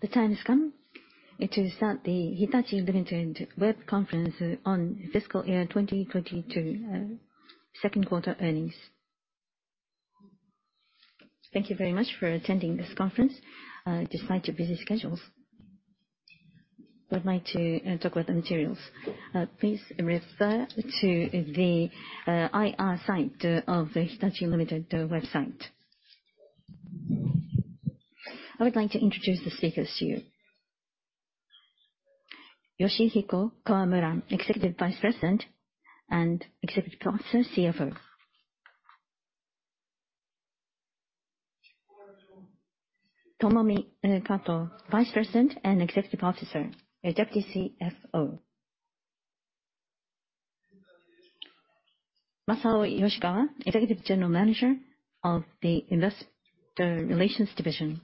The time has come to start the Hitachi, Ltd. web conference on fiscal year 2022 second quarter earnings. Thank you very much for attending this conference despite your busy schedules. I would like to talk about the materials. Please refer to the IR site of the Hitachi, Ltd. website. I would like to introduce the speakers to you. Yoshihiko Kawamura, Executive Vice President and Executive Officer, CFO. Tomomi Kato, Vice President and Executive Officer, Deputy CFO. Masao Yoshikawa, Executive General Manager of the Investor Relations Division.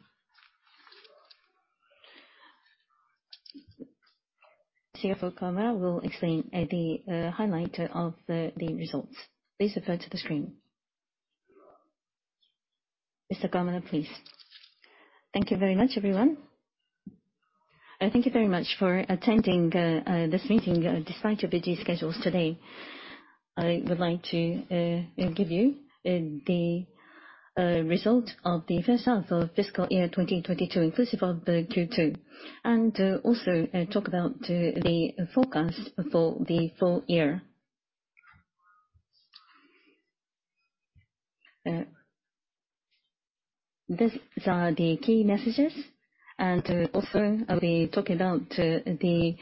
CFO Kawamura will explain the highlight of the results. Please refer to the screen. Mr. Kawamura, please. Thank you very much, everyone. Thank you very much for attending this meeting despite your busy schedules today. I would like to give you the results of the first half of fiscal year 2022, inclusive of the Q2, and also talk about the forecast for the full year. These are the key messages, and also I'll be talking about the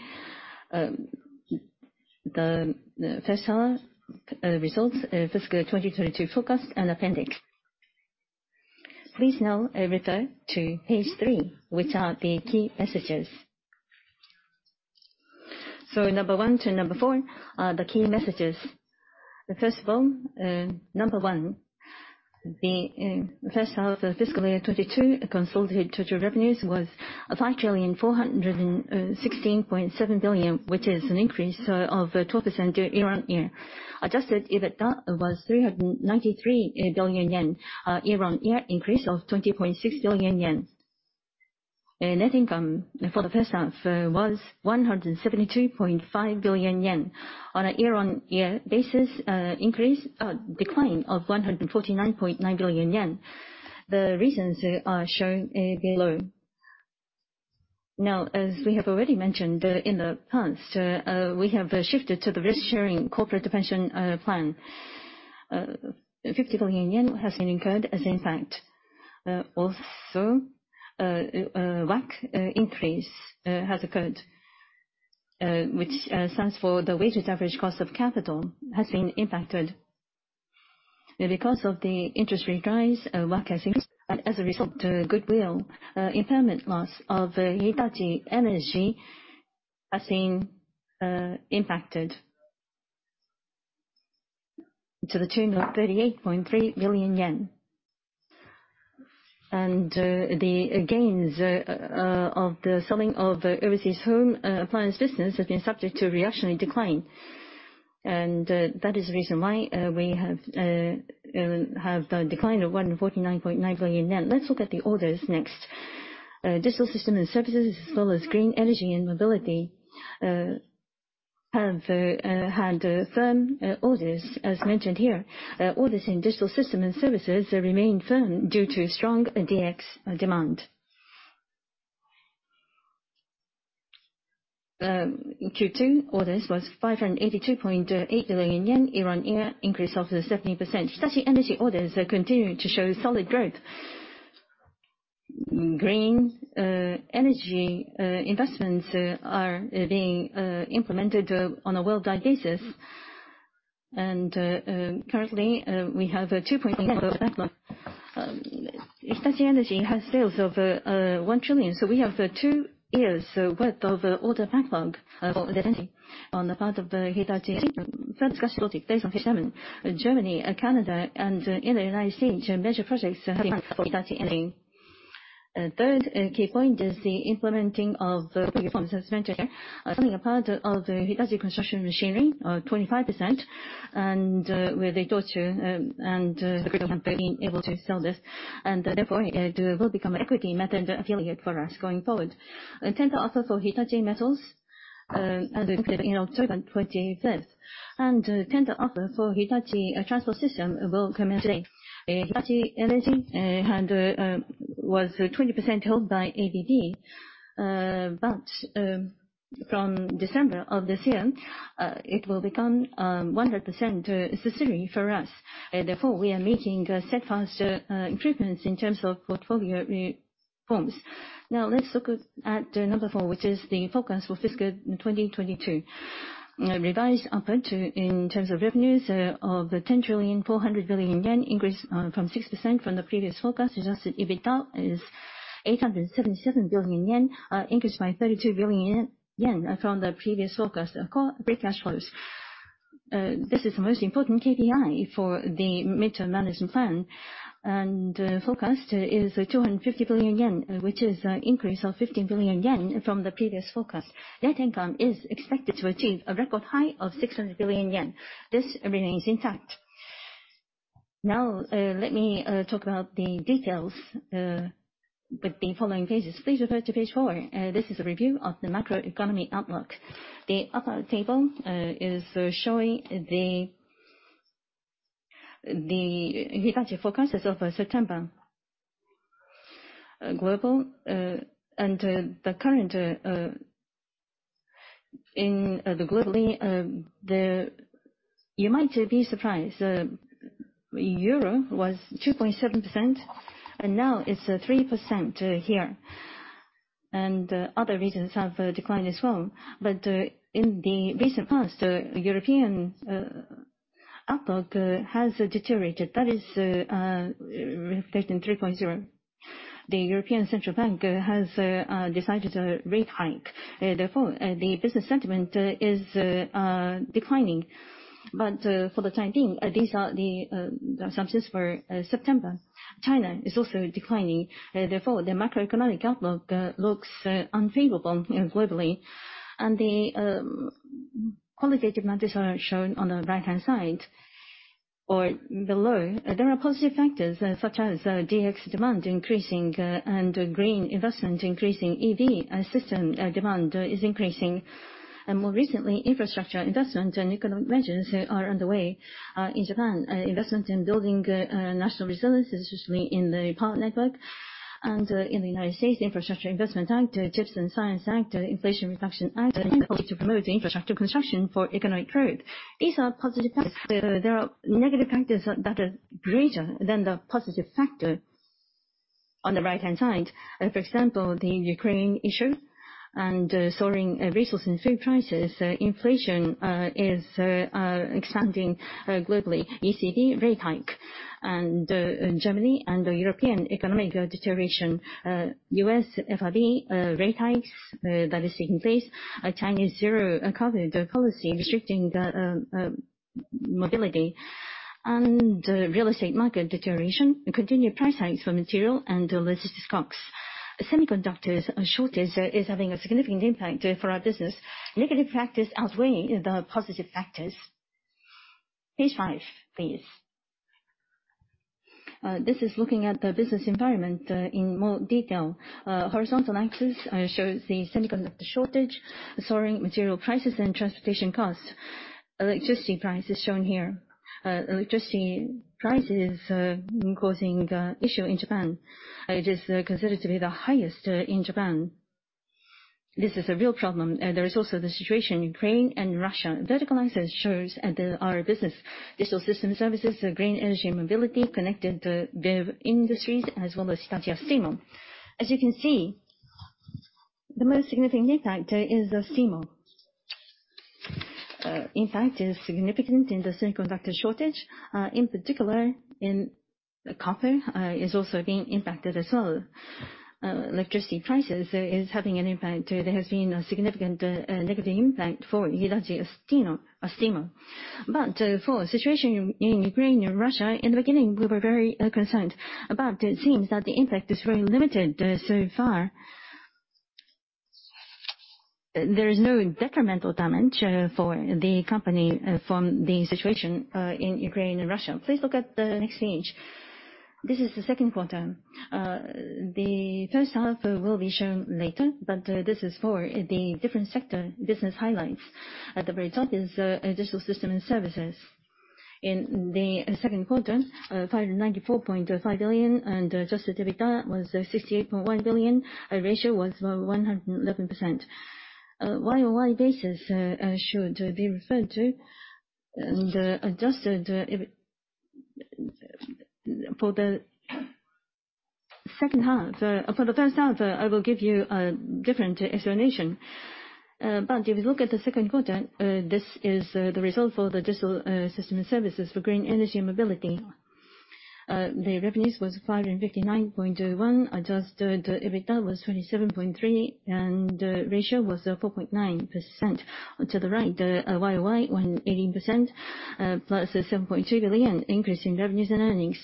first half results, fiscal 2022 forecast and appendix. Please now refer to page three, which are the key messages. Number one to number four are the key messages. First of all, number one, the first half of fiscal year 2022 consolidated total revenues was 5,416.7 billion, which is an increase of 12% YoY. Adjusted EBITDA was 393 billion yen, a YoY increase of 20.6 billion yen. Net income for the first half was 172.5 billion yen, on a YoY basis, decline of 149.9 billion yen. The reasons are shown below. Now, as we have already mentioned, in the past, we have shifted to the risk-sharing corporate pension plan. 50 billion yen has been incurred as impact. Also, WACC increase has occurred, which stands for the weighted average cost of capital, has been impacted. Because of the interest rate rise, WACC has increased, and as a result, goodwill impairment loss of Hitachi Energy has been impacted to the tune of 38.3 billion yen. The gains of the selling of overseas home appliance business has been subject to reactionary decline. That is the reason why we have the decline of 149.9 billion yen. Let's look at the orders next. Digital Systems and Services, as well as Green Energy and Mobility, have had firm orders, as mentioned here. Orders in Digital Systems and Services remain firm due to strong DX demand. Q2 orders was 582.8 billion yen, YoY increase of 70%. Hitachi Energy orders continue to show solid growth. Green energy investments are being implemented on a worldwide basis. Currently, we have 2.0 backlog. Hitachi Energy has sales of 1 trillion, so we have two years' worth of order backlog for Hitachi Energy. On the part of Hitachi Construction Machinery, in Germany, Canada, and in the United States, major projects have been planned for Hitachi Energy. Third key point is the implementing of portfolio reforms, as mentioned here. Selling a part of Hitachi Construction Machinery, 25%, and with Toyota and the Toyota Company being able to sell this. Therefore, it will become an equity method affiliate for us going forward. The tender offer for Hitachi Metals, as expected in October 25. Tender offer for Hitachi Transport System will commence today. Hitachi Energy was 20% held by ABB. From December of this year, it will become 100% subsidiary for us. Therefore, we are making steadfast improvements in terms of portfolio reforms. Now let's look at number four, which is the forecast for fiscal 2022. Revised upward to, in terms of revenues, of 10.4 trillion, increased from 6% from the previous forecast. Adjusted EBITDA is 877 billion yen, increased by 32 billion yen from the previous forecast. Core pre-tax profits, this is the most important KPI for the midterm management plan, and forecast is 250 billion yen, which is an increase of 15 billion yen from the previous forecast. Net income is expected to achieve a record high of 600 billion yen. This remains intact. Now, let me talk about the details with the following pages. Please refer to page four. This is a review of the macroeconomy outlook. The upper table is showing the Hitachi forecasts as of September. You might be surprised. Euro was 2.7%, and now it's 3% here. Other regions have declined as well. In the recent past, European outlook has deteriorated. That is reflected in 3.0. The European Central Bank has decided to rate hike. Therefore, the business sentiment is declining. For the time being, these are the assumptions for September. China is also declining. Therefore, the macroeconomic outlook looks unfavorable, you know, globally. The qualitative matters are shown on the right-hand side or below. There are positive factors such as DX demand increasing and green investment increasing. EV-related demand is increasing. More recently, infrastructure investment and economic measures are on the way in Japan. Investment in building national resilience, especially in the power network. In the United States, Infrastructure Investment and Jobs Act, CHIPS and Science Act, Inflation Reduction Act of 2022 are in place to promote infrastructure construction for economic growth. These are positive factors. There are negative factors that are greater than the positive factor on the right-hand side. For example, the Ukraine issue and soaring resource and food prices. Inflation is expanding globally. ECB rate hike and Germany and the European economic deterioration. U.S. FRB rate hikes that is taking place. Chinese zero-COVID policy restricting the mobility. Real estate market deterioration, continued price hikes for material and logistics costs. Semiconductor shortage is having a significant impact for our business. Negative factors outweigh the positive factors. Page five, please. This is looking at the business environment in more detail. Horizontal axis shows the semiconductor shortage, soaring material prices and transportation costs. Electricity price is shown here. Electricity price is causing an issue in Japan. It is considered to be the highest in Japan. This is a real problem. There is also the situation in Ukraine and Russia. Vertical axis shows our business, Digital Systems & Services, Green Energy & Mobility, Connected Industries, as well as Hitachi Astemo. As you can see, the most significant impact is Astemo. Impact is significant in the semiconductor shortage, in particular, in the copper is also being impacted as well. Electricity prices is having an impact. There has been a significant negative impact for Hitachi Astemo. For situation in Ukraine and Russia, in the beginning, we were very concerned, but it seems that the impact is very limited so far. There is no detrimental damage for the company from the situation in Ukraine and Russia. Please look at the next page. This is the second quarter. The first half will be shown later, this is for the different sector business highlights. At the very top is Digital Systems & Services. In the second quarter, 594.5 billion, and adjusted EBITDA was 68.1 billion. Our ratio was 111%. YoY basis should be referred to. Adjusted EBITDA. For the second half, for the first half, I will give you a different explanation. But if you look at the second quarter, this is the result for the Digital Systems & Services. For Green Energy & Mobility, the revenues was 559.1 billion. Adjusted EBITDA was 27.3 billion, and ratio was 4.9%. To the right, YoY 118%, plus a 7.2 billion increase in revenues and earnings.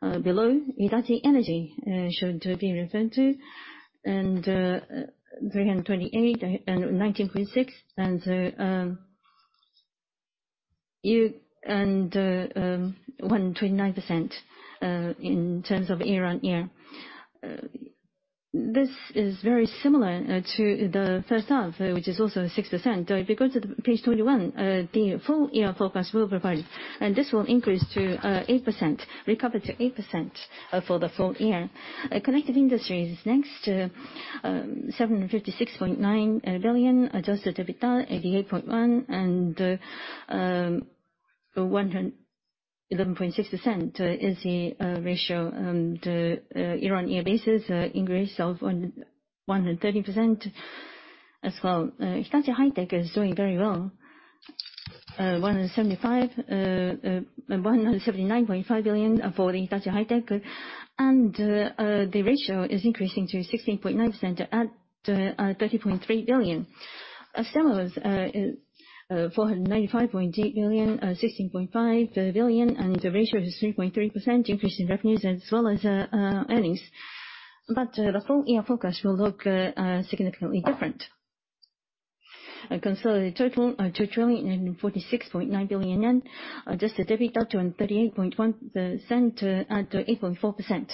Below, Hitachi Energy should be referred to. And 328 and 19.6. And YoY 129% in terms of YoY. This is very similar to the first half, which is also 6%. If you go to page 21, the full year forecast we have provided. This will increase to 8%, recover to 8%, for the full year. Connected Industries is next. 756.9 billion. Adjusted EBITDA, 88.1. 111.6% is the ratio. YoY basis, increase of 130% as well. Hitachi High-Tech is doing very well. 179.5 billion for the Hitachi High-Tech. The ratio is increasing to 16.9% at 30.3 billion. Sales are 495.8 billion, 16.5 billion, and the ratio is 3.3% increase in revenues as well as earnings. The full year forecast will look significantly different. A consolidated total of 2,046.9 billion yen. Adjusted EBITDA to 38.1 billion, to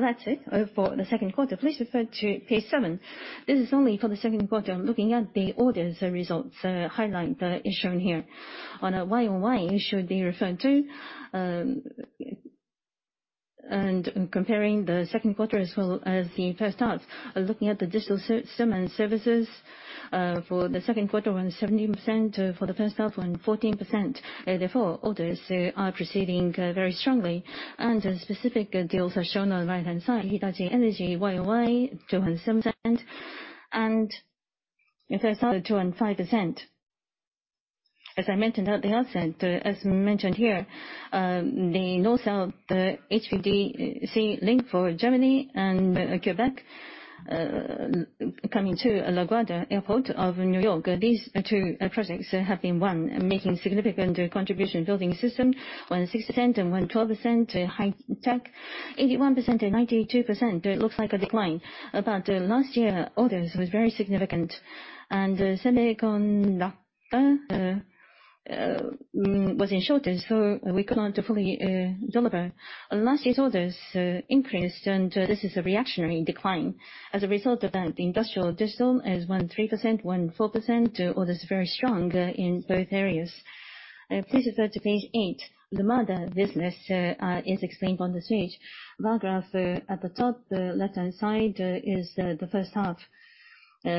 8.4%. That's it for the second quarter. Please refer to page seven. This is only for the second quarter. Looking at the orders results highlight is shown here. On a YoY should be referred to, and comparing the second quarter as well as the first half. Looking at the Digital Systems & Services, for the second quarter was 17%, for the first half was 14%. Therefore, orders are proceeding very strongly, and specific deals are shown on the right-hand side. Hitachi Energy YoY 207% and first half 2.5%. As I mentioned at the outset, as mentioned here, the north of the HVDC link for Germany and Quebec coming to LaGuardia Airport of New York. These two projects have been making significant contribution. Building Systems 16% and 112%. Hitachi High-Tech 81% and 92%. It looks like a decline, but last year orders was very significant and semiconductor was in shortage, so we could not fully deliver. Last year's orders increased, and this is a reactionary decline. As a result of that, the Industrial Digital is 13%, 14%. Orders are very strong in both areas. Please refer to page eight. The mother business is explained on this page. The bar graph at the top left-hand side is the first half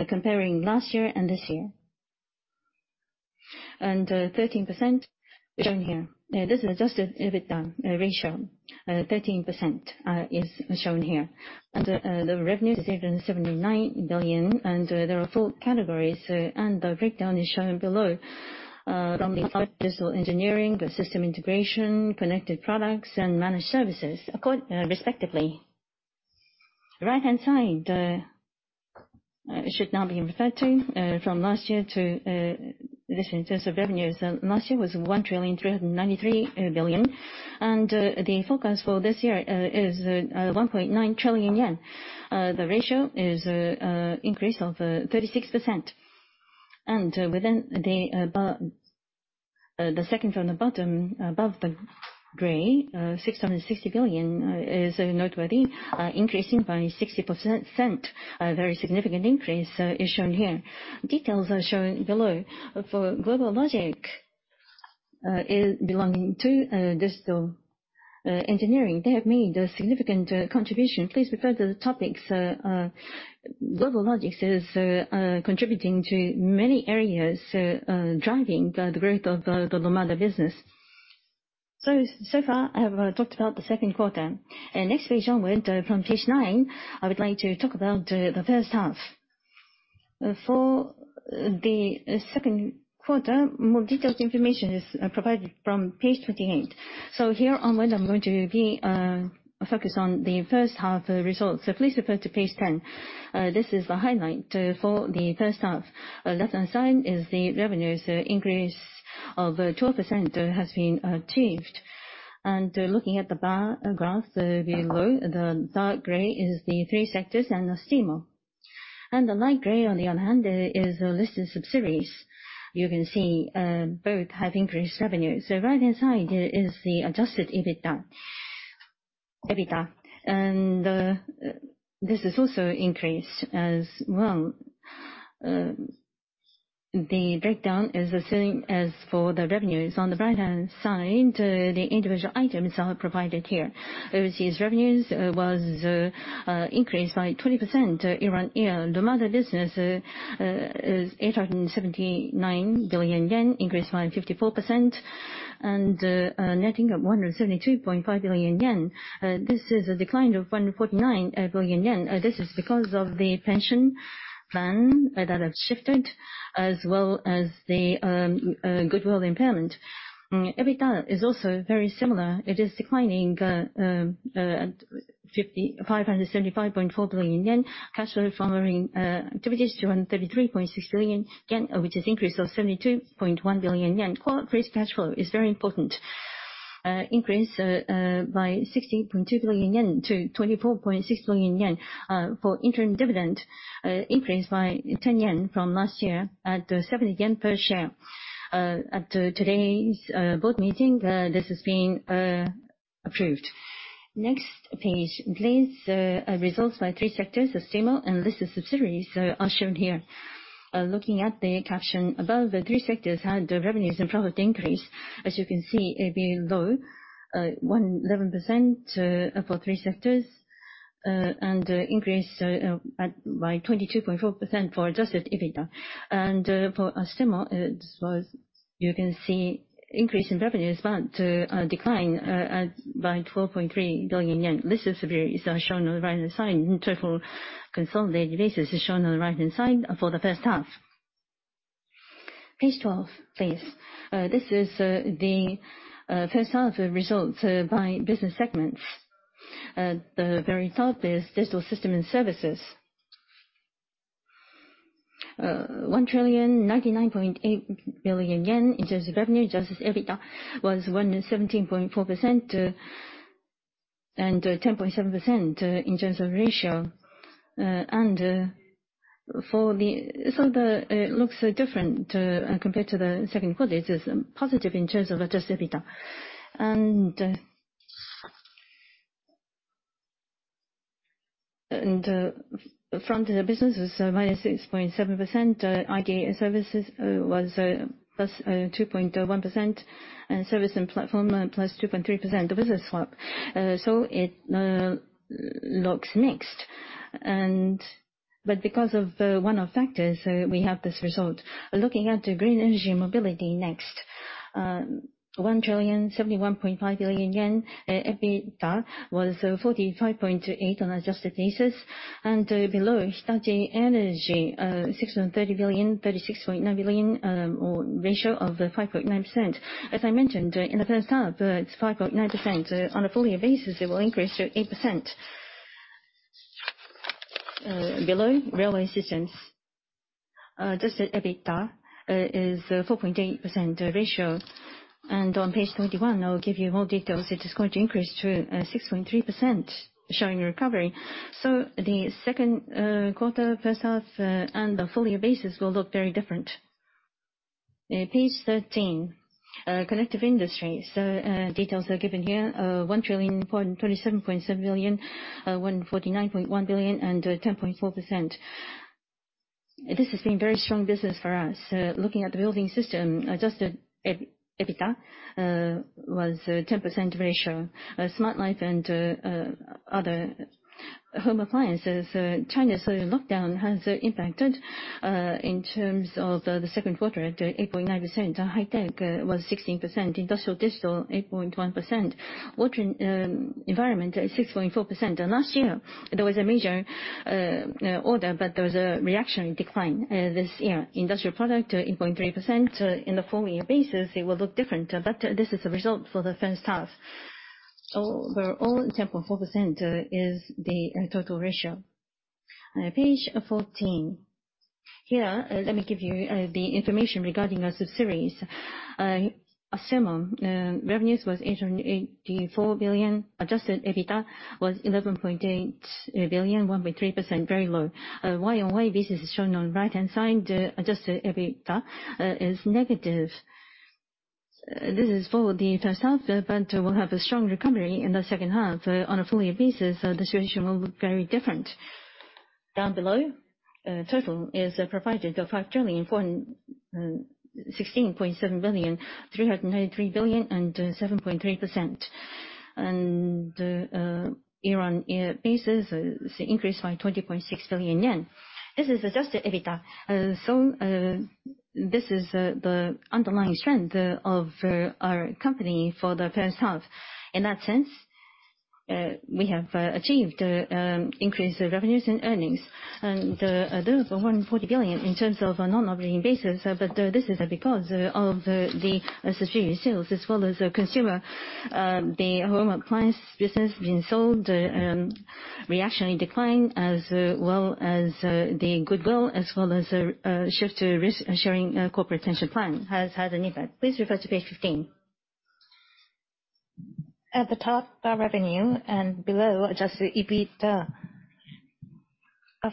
comparing last year and this year. 13% shown here. This is adjusted EBITDA ratio. 13% is shown here. Under the revenue is 79 billion, and there are four categories, and the breakdown is shown below. From the Digital Engineering, the system integration, connected products, and managed services respectively. Right-hand side should now be referred to from last year to this in terms of revenues. Last year was 1,393 billion, and the forecast for this year is 1.9 trillion yen. The ratio is increase of 36%. Within the bar, the second from the bottom, above the gray, 660 billion, is noteworthy, increasing by 60%. A very significant increase is shown here. Details are shown below. For GlobalLogic, it belonging to Digital Engineering, they have made a significant contribution. Please refer to the topics. GlobalLogic is contributing to many areas, driving the growth of the mother business. So far, I have talked about the second quarter. Next page onward, from page nine, I would like to talk about the first half. For the second quarter, more detailed information is provided from page 28. Here onward, I'm going to focus on the first half results. Please refer to page 10. This is the highlight for the first half. Left-hand side is the revenues increase of 12% has been achieved. Looking at the bar graph below, the dark gray is the three sectors and Astemo. The light gray, on the other hand, is listed subsidiaries. You can see both have increased revenues. Right-hand side is the adjusted EBITDA and this has also increased as well. The breakdown is the same as for the revenues. On the right-hand side, the individual items are provided here. Overseas revenues was increased by 20% YoY. The core business is 879 billion yen, increased by 54%, and netting at 172.5 billion yen. This is a decline of 149 billion yen. This is because of the pension plan that have shifted as well as the goodwill impairment. EBITDA is also very similar. It is declining to JPY 557.5 billion. Cash flows from operating activities JPY 233.6 billion, which is increase of 72.1 billion yen. Core operating cash flow is very important. Increase by 60.2 billion yen to 246 billion yen. For interim dividend, increase by 10 yen from last year at 70 yen per share. At today's board meeting, this has been approved. Next page, please. Results by three sectors, Astemo, and listed subsidiaries are shown here. Looking at the caption above, the three sectors had revenues and profit increase. As you can see below, 111% for three sectors, and an increase by 22.4% for adjusted EBITDA. For Astemo, this was, you can see increase in revenues, but a decline by 12.3 billion yen. Listed subsidiaries are shown on the right-hand side. Total consolidated basis is shown on the right-hand side for the first half. Page 12, please. This is the first half results by business segments. The very top is Digital Systems & Services. 1,099.8 billion yen in terms of revenue. adjusted EBITDA was 117.4 billion and 10.7% in terms of ratio. It looks different compared to the second quarter. It is positive in terms of adjusted EBITDA. Front Business was minus 6.7%. IT Services was plus 2.1%. Services & Platforms plus 2.3%. Business-wise, so it looks mixed. Because of one-off factors, we have this result. Looking at Green Energy & Mobility next. 1,071.5 billion yen. EBITDA was 45.8 on adjusted basis. Below, Hitachi Energy, 630 billion, 36.9 billion, or ratio of 5.9%. As I mentioned, in the first half, it's 5.9%. On a full year basis, it will increase to 8%. Below Railway Systems, adjusted EBITDA is 4.8% ratio. On page 21, I will give you more details. It is going to increase to 6.3%, showing recovery. The second quarter, first half, and the full year basis will look very different. Page 13. Connected Industries. Details are given here. 1,027.7 billion, 149.1 billion, and 10.4%. This has been very strong business for us. Looking at the Building Systems, adjusted EBITDA was 10% ratio. Smart Life and other home appliances, China's lockdown has impacted in terms of the second quarter at 8.9%. Hitachi High-Tech was 16%. Industrial Digital, 8.1%. Water & Environment, 6.4%. Last year there was a major order, but there was a reaction decline this year. Industrial Products, 8.3%. In the full-year basis, it will look different, but this is the result for the first half. Overall 10.4% is the total ratio. Page 14. Here, let me give you the information regarding our subsidiaries. Astemo revenue was 884 billion. Adjusted EBITDA was 11.8 billion, 1.3%, very low. YoY business is shown on right-hand side. Adjusted EBITDA is negative. This is for the first half, but we'll have a strong recovery in the second half. On a full-year basis, the situation will look very different. Down below, total is provided of 5 trillion, 416.7 billion, 393 billion, and 7.3%. YoY basis, it's increased by 20.6 billion yen. This is adjusted EBITDA, so this is the underlying trend of our company for the first half. In that sense, we have achieved increased revenues and earnings. Those were 140 billion in terms of a non-operating basis, but this is because of the subsidiary sales as well as our consumer home appliance business being sold, resulting in decline, as well as the goodwill, as well as a shift to risk-sharing corporate pension plan has had an impact. Please refer to page 15. At the top, our revenue, and below, adjusted EBITDA.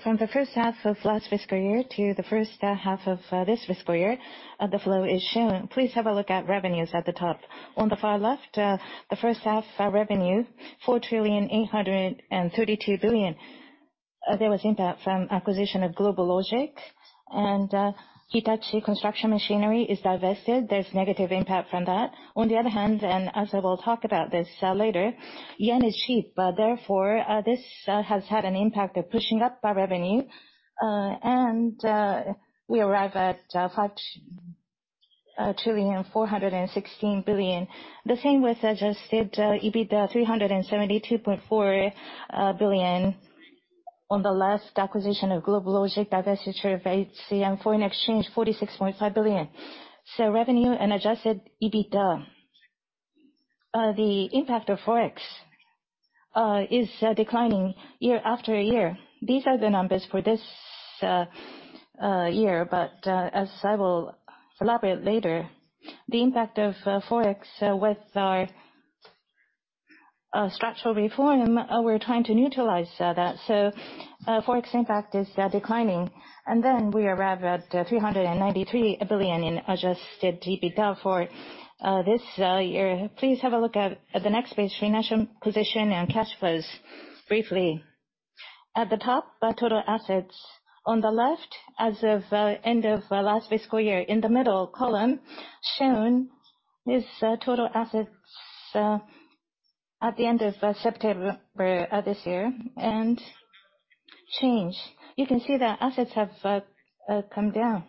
From the first half of last fiscal year to the first half of this fiscal year, the flow is shown. Please have a look at revenues at the top. On the far left, the first half, our revenue, 4,832 billion. There was impact from acquisition of GlobalLogic and Hitachi Construction Machinery is divested. There's negative impact from that. On the other hand, and as I will talk about this later, yen is cheap. Therefore, this has had an impact of pushing up our revenue. And we arrive at 5,416 billion. The same with adjusted EBITDA, 372.4 billion. On the last acquisition of GlobalLogic, divestiture of HCM, foreign exchange 46.5 billion. Revenue and adjusted EBITDA, the impact of Forex, is declining year after year. These are the numbers for this year, but as I will elaborate later, the impact of Forex with our structural reform, we're trying to neutralize that. Forex impact is declining. Then we arrive at 393 billion in adjusted EBITDA for this year. Please have a look at the next page, financial position and cash flows briefly. At the top, our total assets. On the left, as of end of last fiscal year. In the middle column shown is total assets at the end of September of this year and change. You can see that assets have come down,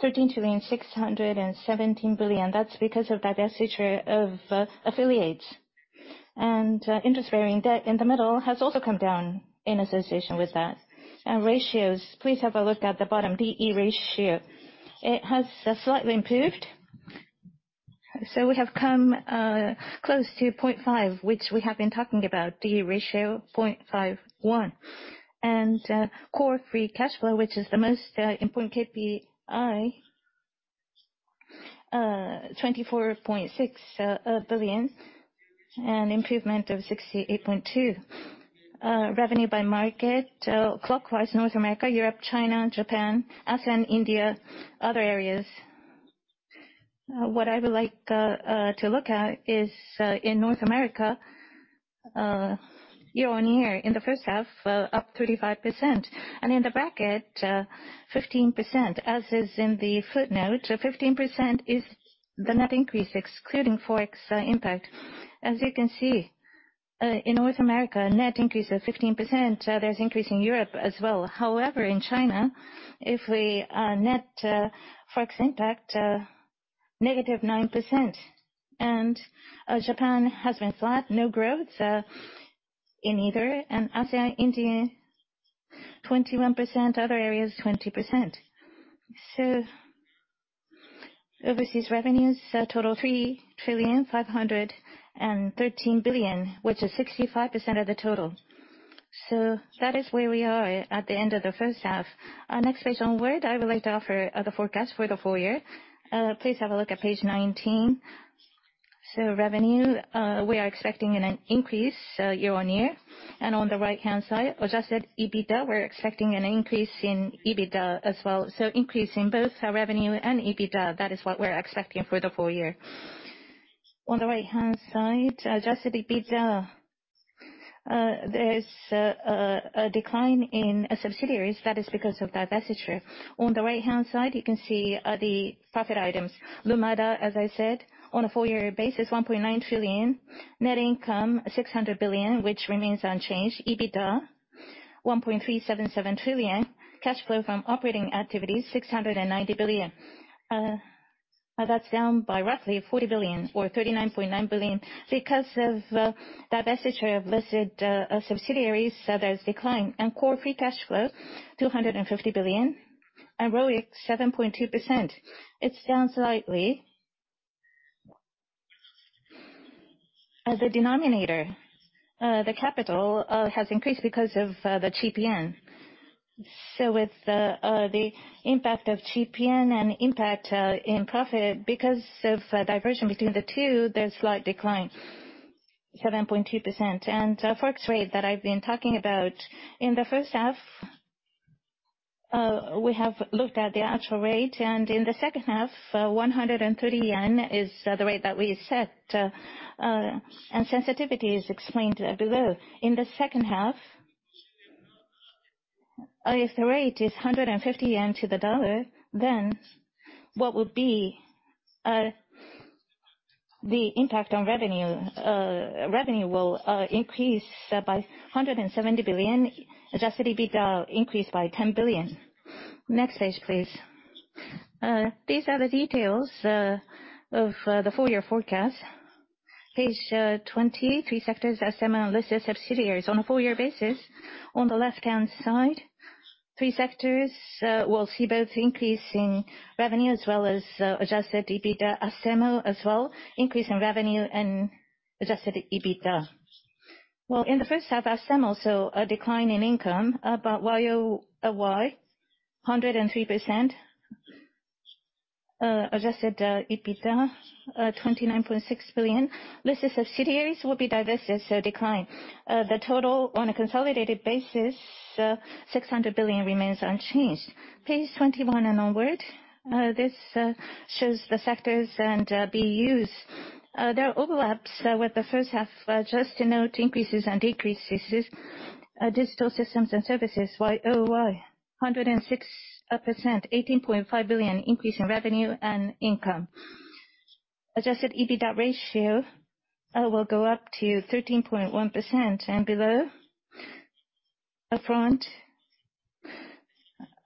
3,617 billion. That's because of divestiture of affiliates. Interest-bearing debt in the middle has also come down in association with that. Our ratios, please have a look at the bottom, D/E ratio. It has slightly improved. We have come close to 0.5, which we have been talking about, D/E ratio 0.51. Core free cash flow, which is the most important KPI. 24.6 billion. An improvement of 68.2. Revenue by market, clockwise North America, Europe, China, Japan, ASEAN, India, other areas. What I would like to look at is, in North America, YoY in the first half, up 35%. In the bracket, 15%. As is in the footnote, 15% is the net increase, excluding Forex impact. As you can see, in North America, net increase of 15%. There's increase in Europe as well. However, in China, if we net Forex impact, -9%. Japan has been flat, no growth in either. ASEAN, India 21%, other areas 20%. Overseas revenues total 3,513 billion, which is 65% of the total. That is where we are at the end of the first half. Next page onward, I would like to offer the forecast for the full year. Please have a look at page 19. Revenue, we are expecting an increase YoY. On the right-hand side, adjusted EBITDA, we're expecting an increase in EBITDA as well. Increase in both our revenue and EBITDA, that is what we're expecting for the full year. On the right-hand side, adjusted EBITDA, there's a decline in subsidiaries. That is because of divestiture. On the right-hand side, you can see the profit items. Lumada, as I said, on a full year basis, 1.9 trillion. Net income, 600 billion, which remains unchanged. EBITDA, 1.377 trillion. Cash flow from operating activities, 690 billion. That's down by roughly 40 billion or 39.9 billion. Because of divestiture of listed subsidiaries, so there's decline. Core free cash flow 250 billion and ROIC 7.2%. It's down slightly. As a denominator, the capital has increased because of the GPN. With the impact of GPN and impact in profit because of divergence between the two, there's slight decline, 7.2%. Forex rate that I've been talking about, in the first half, we have looked at the actual rate. In the second half, 130 yen is the rate that we set. Sensitivity is explained below. In the second half, if the rate is 150 yen to the dollar, then what would be the impact on revenue? Revenue will increase by 170 billion. Adjusted EBITDA increase by 10 billion. Next page, please. These are the details of the full year forecast. Page 20. Three sectors, Astemo, listed subsidiaries. On a full year basis, on the left-hand side, three sectors will see both increase in revenue as well as adjusted EBITDA. Astemo as well, increase in revenue and adjusted EBITDA. Well, in the first half, Astemo saw a decline in income, about YoY 103%. Adjusted EBITDA 29.6 billion. Listed subsidiaries will be divested, so decline. The total on a consolidated basis 600 billion remains unchanged. Page 21 and onward, this shows the sectors and BUs. There are overlaps with the first half. Just to note increases and decreases. Digital Systems & Services Y-o-Y 106%, 18.5 billion increase in revenue and income. Adjusted EBITDA ratio will go up to 13.1% and below. Front,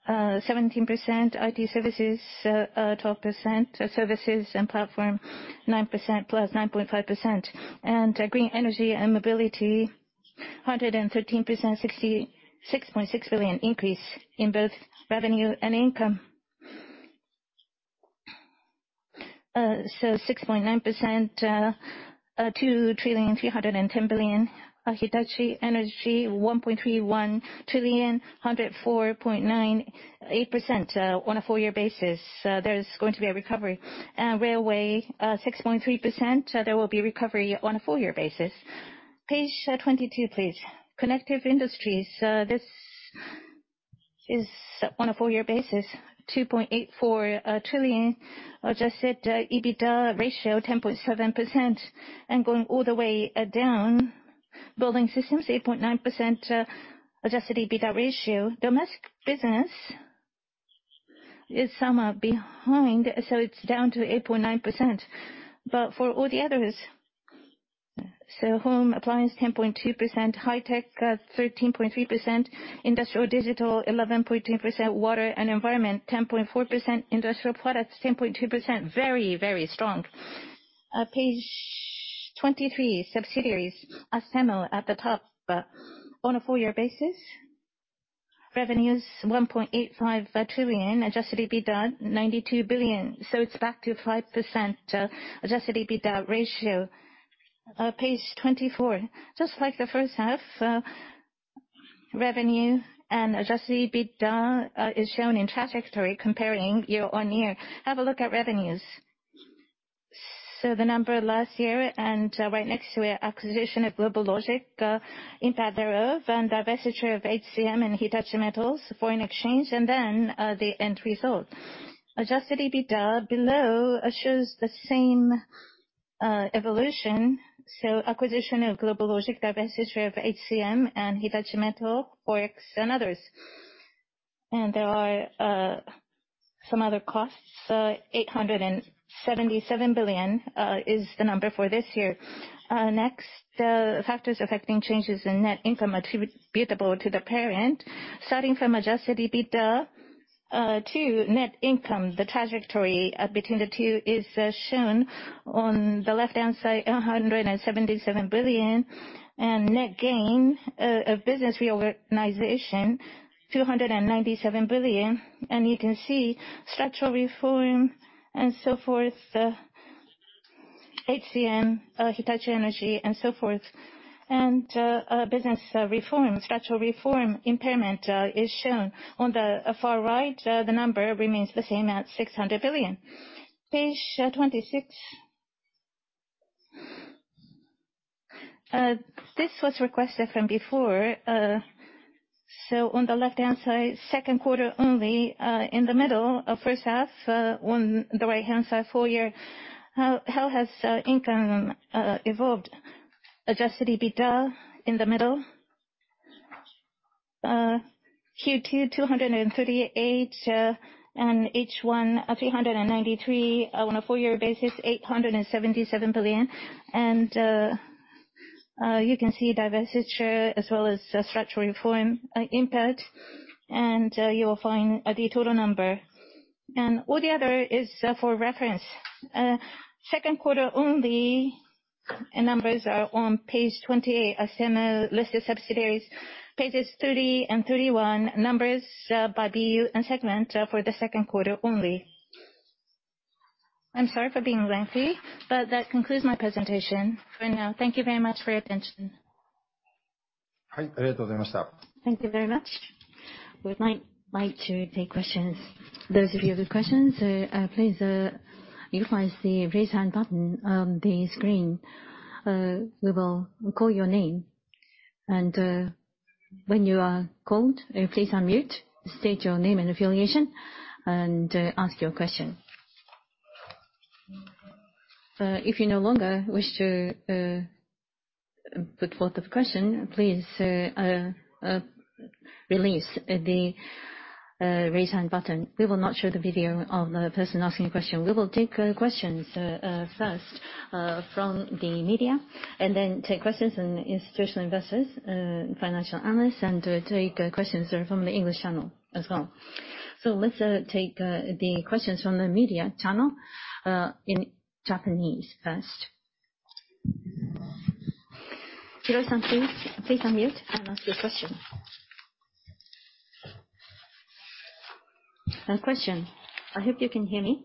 17%. IT Services, 12%. Services & Platforms, 9% + 9.5%. Green Energy & Mobility, 113%, 66.6 billion increase in both revenue and income. So 6.9%, 2.31 trillion. Hitachi Energy, 1.31 trillion, 104.98%, on a full year basis. There is going to be a recovery. Railway 6.3%. There will be recovery on a full year basis. Page 22, please. Connective Industries. This is on a full year basis. 2.84 trillion. Adjusted EBITDA ratio 10.7%. Going all the way down, Building Systems 8.9%, adjusted EBITDA ratio. Domestic business is somehow behind, so it's down to 8.9%. But for all the others, Smart Life 10.2%, High-Tech 13.3%, Industrial Digital 11.2%, Water & Environment 10.4%, Industrial Products 10.2%. Very, very strong. Page 23, subsidiaries. Astemo at the top. On a full year basis, revenue 1.85 trillion. Adjusted EBITDA 92 billion. So it's back to 5%, adjusted EBITDA ratio. Page 24. Just like the first half, Revenue and adjusted EBITDA is shown in trajectory comparing YoY. Have a look at revenues. The number last year and, right next to it, acquisition of GlobalLogic, impact thereof, and divestiture of HCM and Hitachi Metals, foreign exchange, and then, the end result. Adjusted EBITDA below shows the same evolution, acquisition of GlobalLogic, divestiture of HCM and Hitachi Metals, Forex, and others. There are some other costs. 877 billion is the number for this year. Next, the factors affecting changes in net income attributable to the parent. Starting from adjusted EBITDA, to net income, the trajectory between the two is shown on the left-hand side, 177 billion. Net gain of business reorganization, 297 billion. You can see structural reform and so forth, HCM, Hitachi Energy and so forth. Business reform, structural reform impairment is shown on the far right. The number remains the same at 600 billion. Page 26. This was requested from before. On the left-hand side, second quarter only, in the middle of first half, on the right-hand side, full year. How has income evolved? Adjusted EBITDA in the middle, Q2 238 billion, and H1 393 billion. On a full-year basis, 877 billion. You can see divestiture as well as structural reform impact. You will find the total number. All the other is for reference. Second quarter only, numbers are on page 28, same listed subsidiaries. Pages 30 and 31, numbers by BU and segment, for the second quarter only. I'm sorry for being lengthy, but that concludes my presentation for now. Thank you very much for your attention. Thank you very much. We might like to take questions. Those of you with questions, please utilize the Raise Hand button on the screen. We will call your name. When you are called, please unmute, state your name and affiliation, and ask your question. If you no longer wish to put forth a question, please release the Raise Hand button. We will not show the video of the person asking a question. We will take questions first from the media, and then take questions from the institutional investors, financial analysts, and take questions from the English channel as well. Let's take the questions from the media channel in Japanese first. Hirose-san, please unmute and ask your question. First question. I hope you can hear me.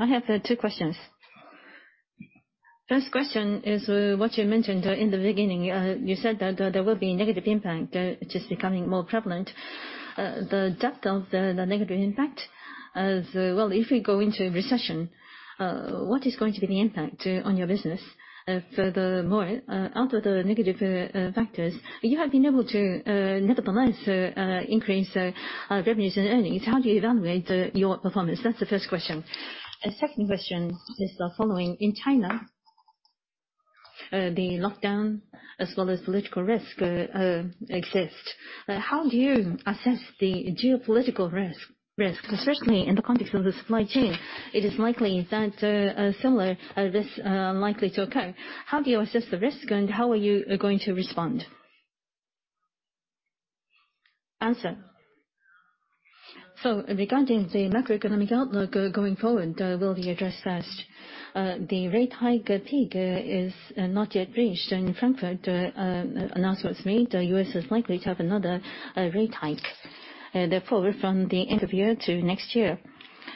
I have two questions. First question is what you mentioned in the beginning. You said that there will be negative impact which is becoming more prevalent. The depth of the negative impact, well, if we go into recession, what is going to be the impact on your business? Furthermore, out of the negative factors, you have been able to nevertheless increase revenues and earnings. How do you evaluate your performance? That's the first question. A second question is the following. In China, the lockdown as well as political risk exist. How do you assess the geopolitical risk, especially in the context of the supply chain? It is likely that similar as this likely to occur. How do you assess the risk, and how are you going to respond? Answer. Regarding the macroeconomic outlook, going forward, will be addressed first. The rate hike peak is not yet reached, and Frankfurt announcement is made. The U.S. is likely to have another rate hike. Therefore, from the end of year to next year,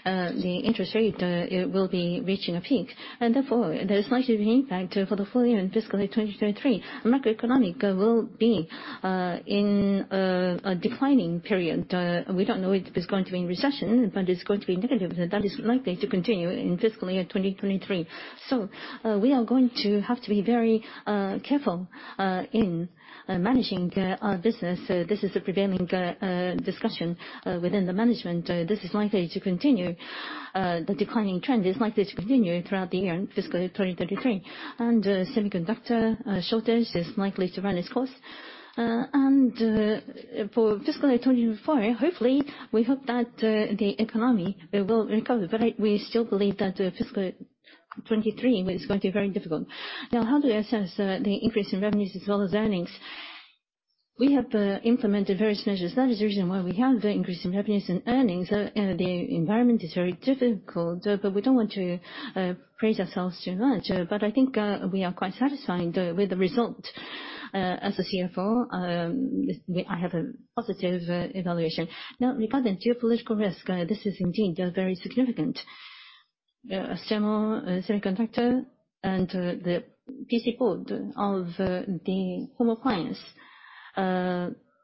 the interest rate it will be reaching a peak. Therefore, there's likely to be impact for the full year in fiscal year 2023. Macroeconomic will be in a declining period. We don't know if it's going to be in recession, but it's going to be negative, and that is likely to continue in fiscal year 2023. We are going to have to be very careful in managing our business. This is the prevailing discussion within the management. This is likely to continue, the declining trend is likely to continue throughout the year in fiscal year 2023. Semiconductor shortage is likely to run its course. For fiscal year 2024, hopefully we hope that the economy, it will recover. But we still believe that fiscal 2023 is going to be very difficult. Now, how do we assess the increase in revenues as well as earnings? We have implemented various measures. That is the reason why we have the increase in revenues and earnings. The environment is very difficult, but we don't want to praise ourselves too much. I think we are quite satisfied with the result. As a CFO, I have a positive evaluation. Now, regarding geopolitical risk, this is indeed very significant. Yeah, a thermal semiconductor and the PC board of the home appliance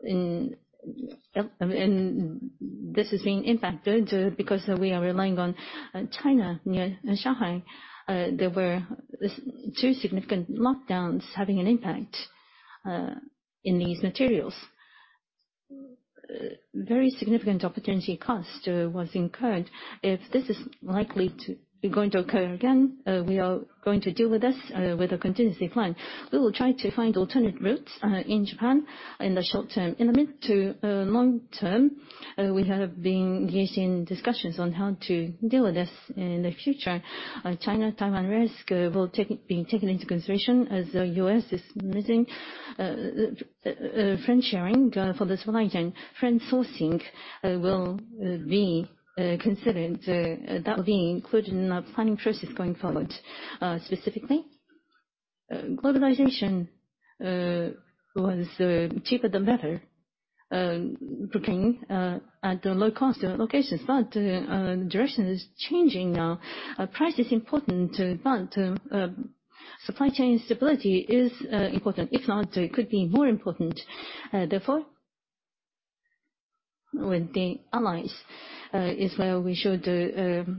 in this is being impacted because we are relying on China, near Shanghai. There were two significant lockdowns having an impact in these materials. Very significant opportunity cost was incurred. If this is likely to be going to occur again, we are going to deal with this with a contingency plan. We will try to find alternate routes in Japan in the short term. In the mid to long term, we have been engaged in discussions on how to deal with this in the future. China, Taiwan risk will be taken into consideration as the U.S. is pushing friend-shoring for the supply chain. Friend-shoring will be considered. That will be included in our planning process going forward. Specifically, globalization was cheaper the better, procuring at low cost locations. Direction is changing now. Price is important, but supply chain stability is important. If not, it could be more important. Therefore, with the allies is where we should have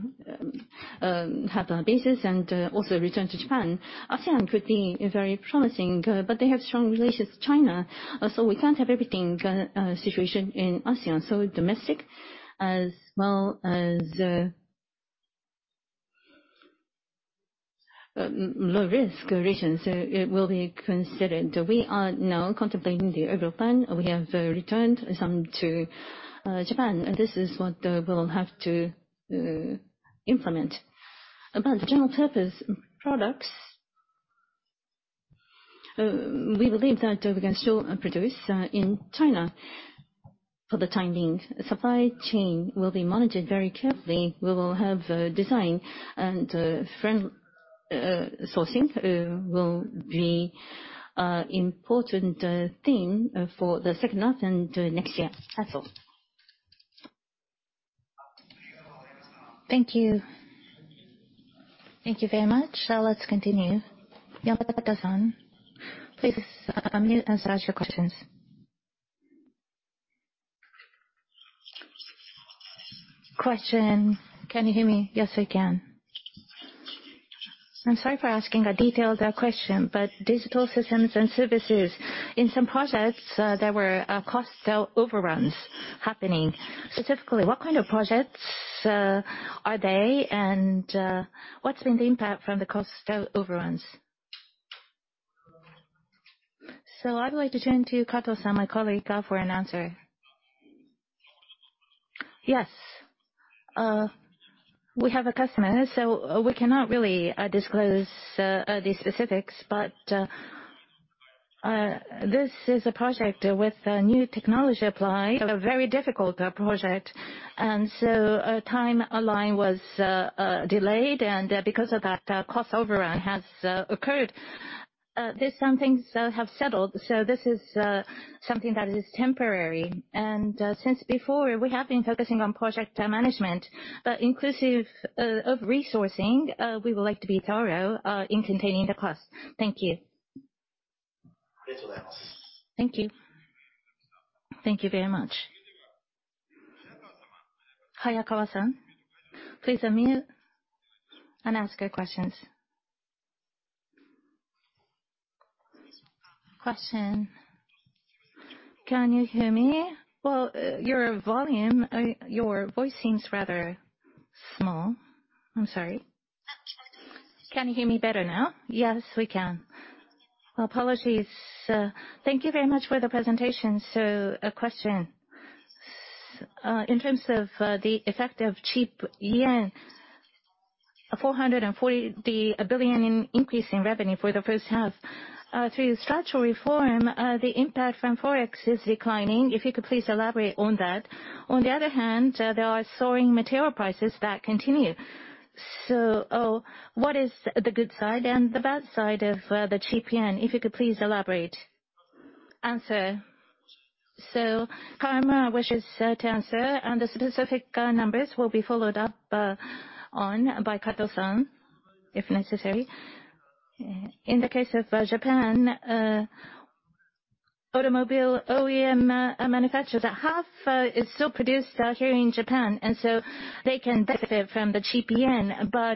the bases and also return to Japan. ASEAN could be a very promising, but they have strong relations with China, so we can't have everything situation in ASEAN. Domestic as well as low risk regions will be considered. We are now contemplating the overall plan. We have returned some to Japan, and this is what we'll have to implement. About the general purpose products, we believe that we can still produce in China for the time being. Supply chain will be managed very carefully. We will have design and friend-shoring will be important theme for the second half and next year. That's all. Thank you. Thank you very much. Let's continue. Yamada-san, please, unmute and ask your questions. Question. Can you hear me? Yes, we can. I'm sorry for asking a detailed question, but Digital Systems & Services, in some projects, there were cost overruns happening. Specifically, what kind of projects are they, and what's been the impact from the cost overruns? I'd like to turn to Kato-san, my colleague, for an answer. Yes. We have a customer, so we cannot really disclose the specifics. This is a project with a new technology applied, a very difficult project. A timeline was delayed, and because of that, a cost overrun has occurred. There's some things that have settled, so this is something that is temporary. Since before, we have been focusing on project management, but inclusive of resourcing, we would like to be thorough in containing the cost. Thank you. Thank you. Thank you very much. Hayakawa-san, please unmute and ask your questions. Question. Can you hear me? Well, your volume, your voice seems rather small. I'm sorry. Can you hear me better now? Yes, we can. Apologies. Thank you very much for the presentation. A question. In terms of the effect of cheap yen, 440 billion increase in revenue for the first half. Through structural reform, the impact from forex is declining. If you could, please elaborate on that. On the other hand, there are soaring material prices that continue. What is the good side and the bad side of the cheap yen? If you could please elaborate. Kawamura wishes to answer, and the specific numbers will be followed up on by Kato-san if necessary. In the case of Japan automobile OEM manufacturers, half is still produced here in Japan, and they can benefit from the cheap yen.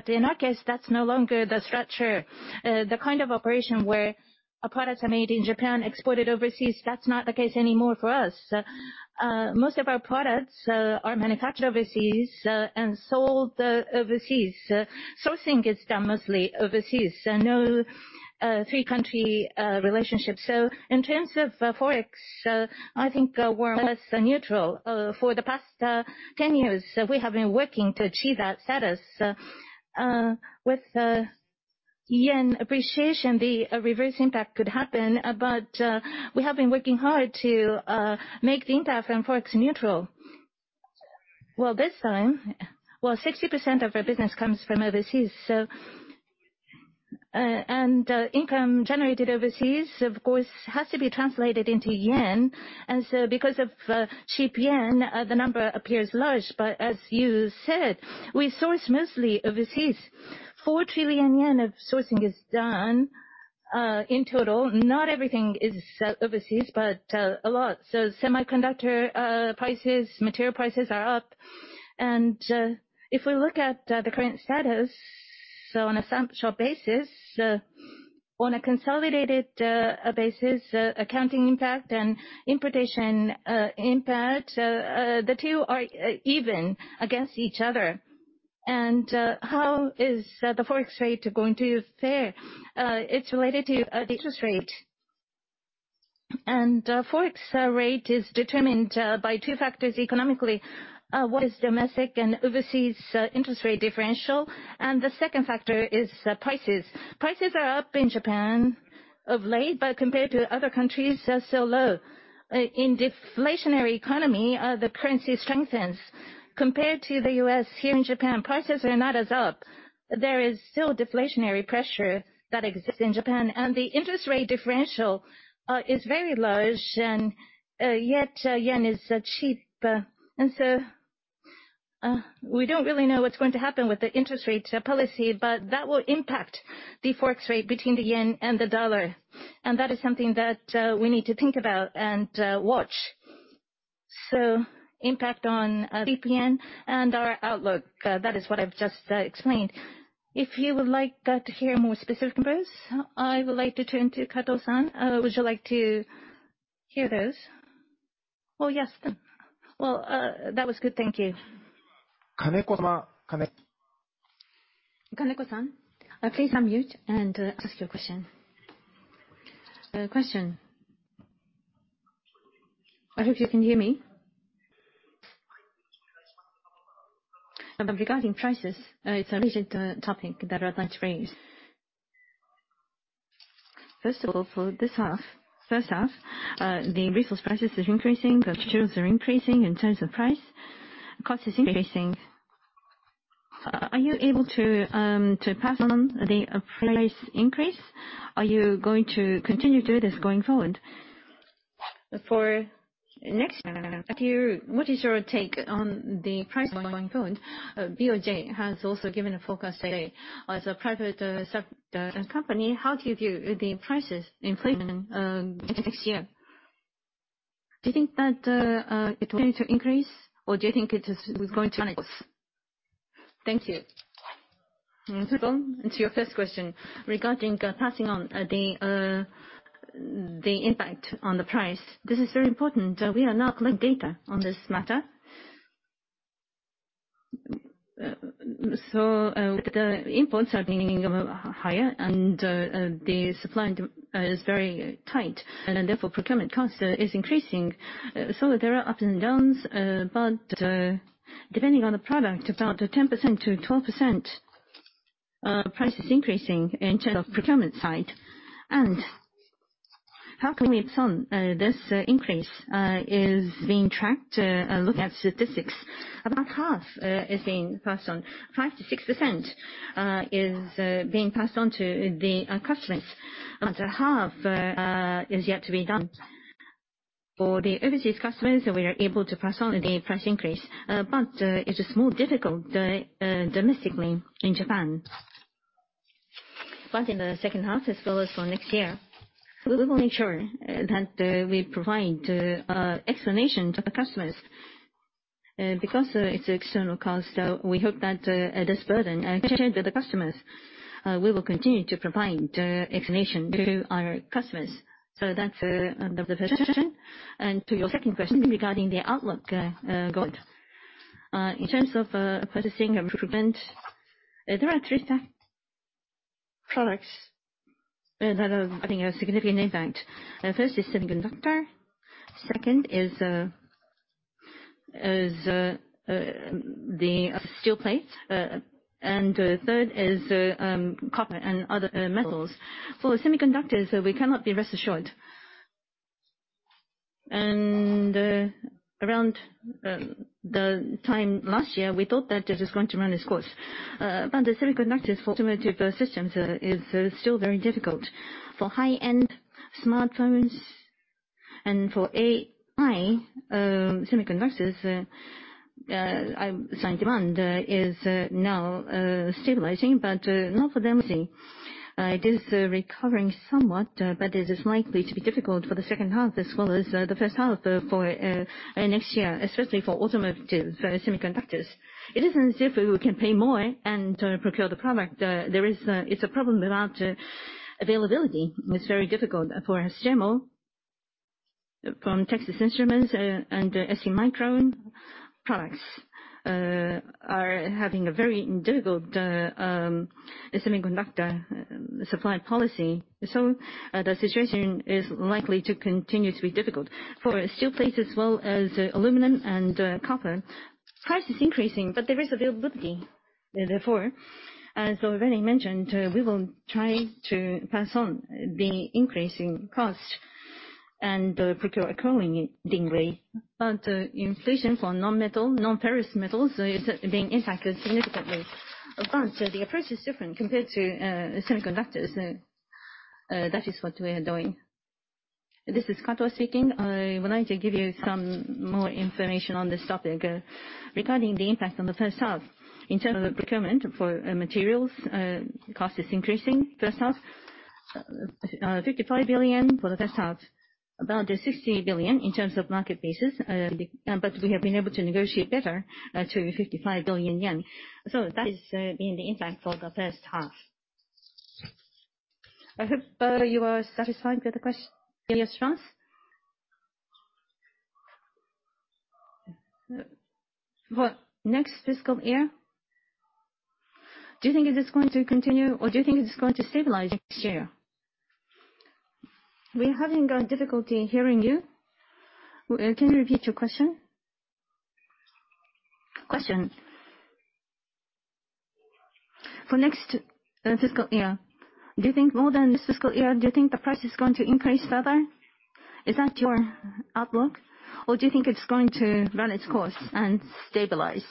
In our case, that's no longer the structure. The kind of operation where our products are made in Japan, exported overseas, that's not the case anymore for us. Most of our products are manufactured overseas and sold overseas. Sourcing is done mostly overseas. No three country relationship. In terms of forex, I think we're less neutral. For the past 10 years, we have been working to achieve that status with yen appreciation, the reverse impact could happen. We have been working hard to make the impact from Forex neutral. This time, 60% of our business comes from overseas, so and income generated overseas, of course, has to be translated into JPY. Because of cheap yen, the number appears large. As you said, we source mostly overseas. 4 trillion yen of sourcing is done in total. Not everything is overseas, but a lot. Semiconductor prices, material prices are up. If we look at the current status, so on a sample basis, on a consolidated basis, accounting impact and importation impact, the two are even against each other. How is the Forex rate going to fare? It's related to interest rate. Forex rate is determined by two factors economically. One is domestic and overseas interest rate differential, and the second factor is prices. Prices are up in Japan of late, but compared to other countries, they're still low. In deflationary economy, the currency strengthens. Compared to the U.S., here in Japan, prices are not as up. There is still deflationary pressure that exists in Japan. The interest rate differential is very large, and yet yen is cheap. We don't really know what's going to happen with the interest rate policy, but that will impact the Forex rate between the JPY and the dollar. That is something that we need to think about and watch. Impact on JPN and our outlook, that is what I've just explained. If you would like to hear more specific numbers, I would like to turn to Kato-san. Would you like to hear those? Oh, yes. Well, that was good. Thank you. Kaneko-sama. Kaneko-san, please unmute and ask your question. I hope you can hear me. Regarding prices, it's a related topic that I'd like to raise. First of all, for the first half, the resource prices is increasing, materials are increasing in terms of price, cost is increasing. Are you able to pass on the price increase? Are you going to continue to do this going forward? For next year, what is your take on the price going forward? BOJ has also given a forecast today. As a private sector company, how do you view the price inflation next year? Do you think that it will continue to increase, or do you think it is going to decrease? Thank you. To go to your first question, regarding passing on the impact on the price, this is very important. We are now collecting data on this matter. The imports are getting higher, and the supply is very tight, and therefore, procurement cost is increasing. There are ups and downs, but depending on the product, about 10%-12% price is increasing in terms of procurement side. How can we pass on this increase is being tracked looking at statistics. About half is being passed on. 5%-6% is being passed on to the customers. About a half is yet to be done. For the overseas customers, we are able to pass on the price increase, but it is more difficult domestically in Japan. In the second half, as well as for next year, we will make sure that we provide explanation to the customers. Because it's external cost, we hope that this burden can be shared with the customers. We will continue to provide explanation to our customers. That's the first question. To your second question regarding the outlook, going forward. In terms of purchasing and procurement, there are three products that are having a significant impact. First is semiconductor. Second is the steel plate. And third is copper and other metals. For semiconductors, we cannot be rest assured. Around the time last year, we thought that this is going to run its course. The semiconductors for automotive systems is still very difficult. For high-end smartphones and for AI semiconductors, strong demand is now stabilizing. It is recovering somewhat, but it is likely to be difficult for the second half as well as the first half for next year, especially for automotive semiconductors. It isn't as if we can pay more and procure the product. It's a problem about availability. It's very difficult for us. From Texas Instruments and STMicroelectronics, products are having a very difficult semiconductor supply policy. The situation is likely to continue to be difficult. For steel plates as well as aluminum and copper, price is increasing, but there is availability. Therefore, as already mentioned, we will try to pass on the increasing cost. The procurement cost degree. Inflation for nonmetal, non-ferrous metals are being impacted significantly. The approach is different compared to semiconductors. That is what we are doing. This is Kato speaking. I wanted to give you some more information on this topic. Regarding the impact on the first half, in terms of procurement for materials, cost is increasing first half, 55 billion for the first half. About 60 billion in terms of market basis, but we have been able to negotiate better, to 55 billion yen. That is being the impact for the first half. I hope you are satisfied with the question. For next fiscal year, do you think it is going to continue or do you think it is going to stabilize next year? We are having difficulty hearing you. Can you repeat your question? For next fiscal year, do you think more than this fiscal year, do you think the price is going to increase further? Is that your outlook, or do you think it's going to run its course and stabilize?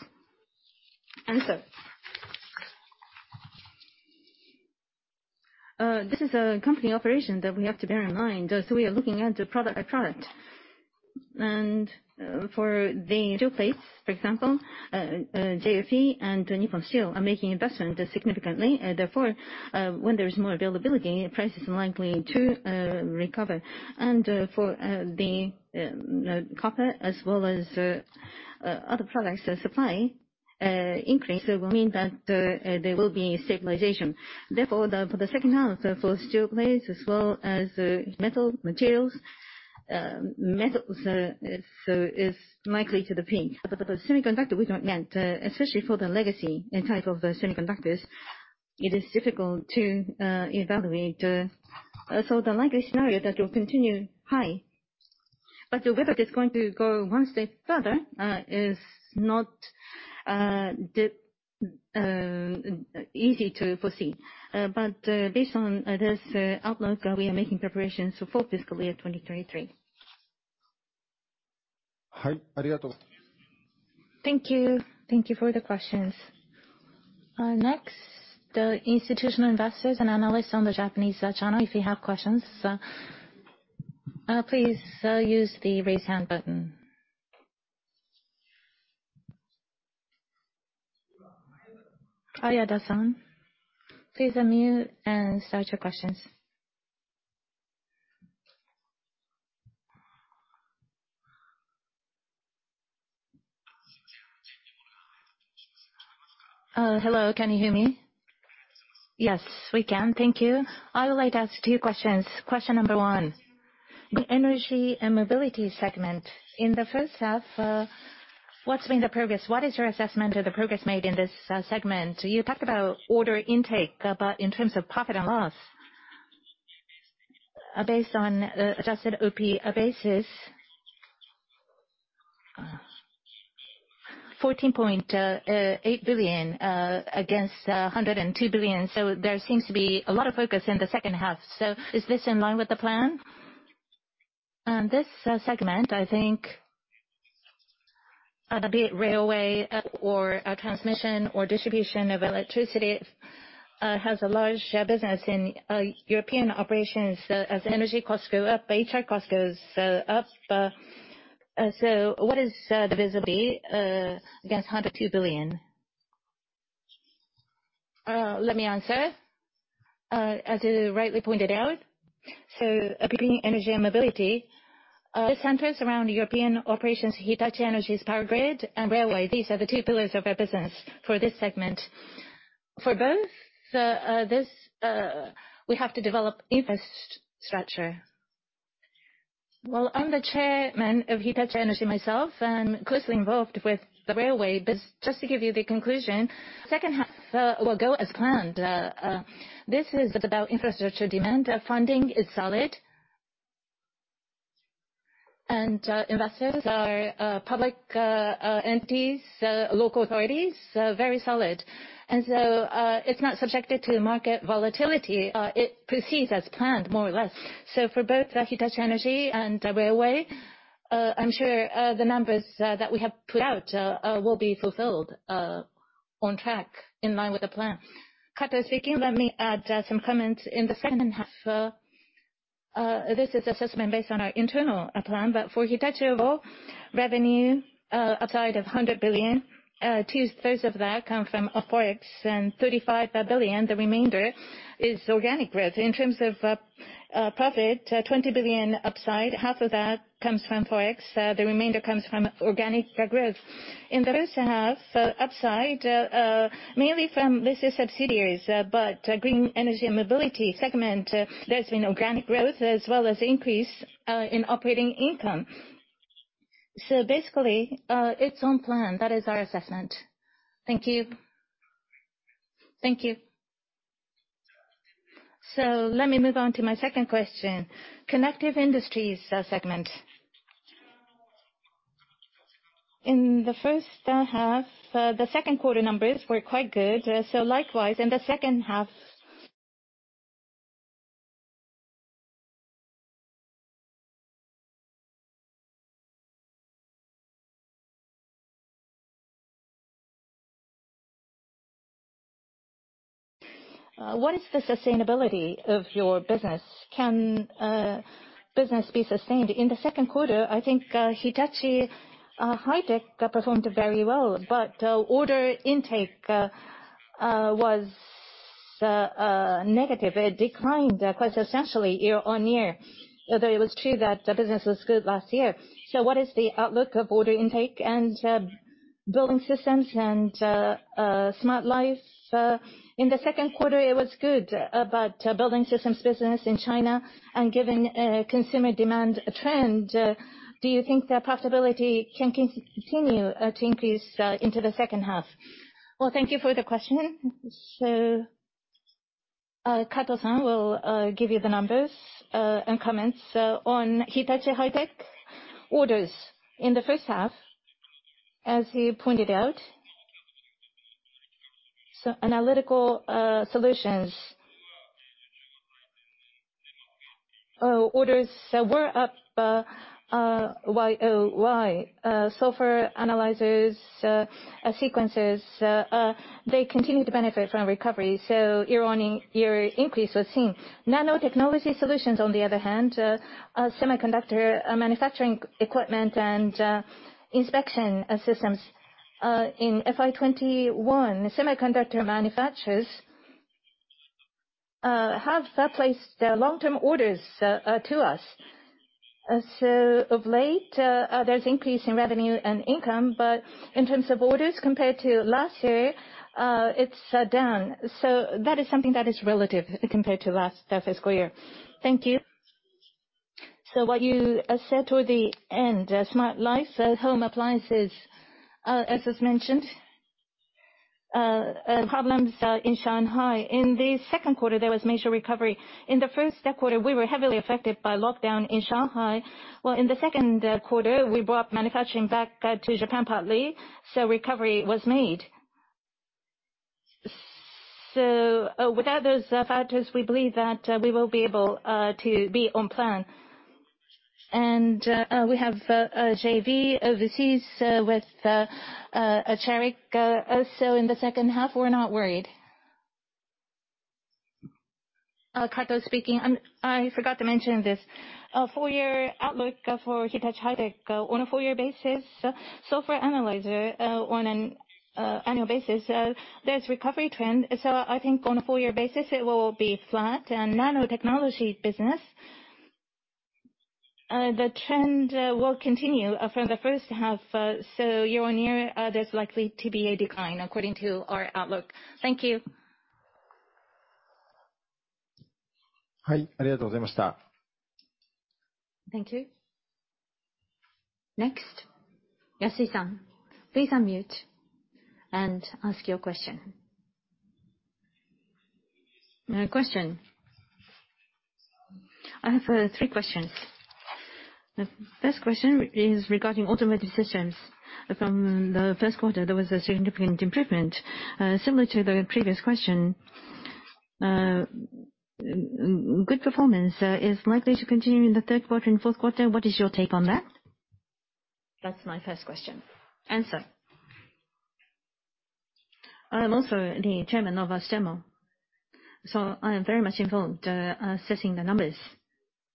This is a company operation that we have to bear in mind, so we are looking at it product by product. For the steel plates, for example, JFE and Nippon Steel are making investment significantly. Therefore, when there is more availability, price is likely to recover. For the copper as well as other products, the supply increase will mean that there will be stabilization. Therefore, for the second half, for steel plates as well as metal materials, metals is likely to peak. But for the semiconductor, we don't know. Especially for the legacy type of semiconductors, it is difficult to evaluate. So the likely scenario that will continue high, but whether it's going to go one step further is not the easy to foresee. Based on this outlook, we are making preparations for fiscal year 2023. Thank you. Thank you for the questions. Next, the institutional investors and analysts on the Japanese channel, if you have questions, please use the Raise Hand button. Yasui-san, please unmute and start your questions. Hello, can you hear me? Yes, we can. Thank you. I would like to ask two questions. Question number one, the energy and mobility segment. In the first half, what's been the progress? What is your assessment of the progress made in this segment? You talked about order intake, but in terms of profit and loss, based on adjusted OP basis, 14.8 billion against 102 billion. There seems to be a lot of focus in the second half. Is this in line with the plan? This segment, I think, be it railway or transmission or distribution of electricity, has a large business in European operations. As energy costs go up, HR cost goes up. What is the visibility against 102 billion? Let me answer. As you rightly pointed out, Green Energy & Mobility centers around European operations, Hitachi Energy's power grid and railway. These are the two pillars of our business for this segment. For both, we have to develop infrastructure. Well, I'm the chairman of Hitachi Energy myself, and closely involved with the railway business. Just to give you the conclusion, second half will go as planned. This is about infrastructure demand. Funding is solid. Investors are public entities, local authorities, very solid. It's not subjected to market volatility. It proceeds as planned, more or less. For both Hitachi Energy and Railway, I'm sure the numbers that we have put out will be fulfilled, on track in line with the plan. Kato speaking. Let me add some comments. In the second half, this is assessment based on our internal plan, but for Hitachi overall, revenue upside of 100 billion, 2/3 of that come from Forex and 35 billion, the remainder is organic growth. In terms of profit, 20 billion upside, half of that comes from Forex, the remainder comes from organic growth. In the first half, upside mainly from listed subsidiaries, but Green Energy & Mobility segment, there's been organic growth as well as increase in operating income. Basically, it's on plan. That is our assessment. Thank you. Thank you. Let me move on to my second question. Connective Industries, segment. In the first half, the Q2 numbers were quite good. Likewise in the second half. What is the sustainability of your business? Can business be sustained? In the Q2, I think, Hitachi High-Tech performed very well, but order intake was negative. It declined quite substantially YoY, although it was true that the business was good last year. What is the outlook of order intake and Building Systems and Smart Life? In the Q2, it was good about Building Systems business in China. Given consumer demand trend, do you think the profitability can continue to increase into the second half? Well, thank you for the question. Kato-san will give you the numbers and comments on Hitachi High-Tech orders. In the first half, as he pointed out, Analytical Solutions orders were up YoY. Clinical analyzers, sequencers, they continue to benefit from recovery, YoY increase was seen. Nanotechnology Solutions on the other hand, semiconductor manufacturing equipment and inspection systems, in FY 2021, semiconductor manufacturers have placed their long-term orders to us. Of late, there's increase in revenue and income, but in terms of orders compared to last year, it's down. That is something that is relative compared to last fiscal year. Thank you. What you said toward the end, Smart Life, so home appliances, as was mentioned, problems in Shanghai. In the Q2, there was major recovery. In the Q1, we were heavily affected by lockdown in Shanghai, while in the Q2 we brought manufacturing back, to Japan partly, so recovery was made. Without those factors, we believe that, we will be able, to be on plan. We have a JV overseas with, Arçelik. In the second half, we're not worried. Kato speaking. I forgot to mention this. Full year outlook for Hitachi High-Tech on a full year basis, clinical analyzer, on an annual basis, there's recovery trend, so I think on a full year basis it will be flat. Nanotechnology business, the trend will continue from the first half, so YoY, there's likely to be a decline according to our outlook. Thank you. Thank you. Next, Yasui-san, please unmute and ask your question. I have three questions. The first question is regarding Automotive Systems. From the first quarter, there was a significant improvement, similar to the previous question. Good performance is likely to continue in the Q3 and Q4. What is your take on that? That's my first question. I am also the Chairman of Astemo, so I am very much involved assessing the numbers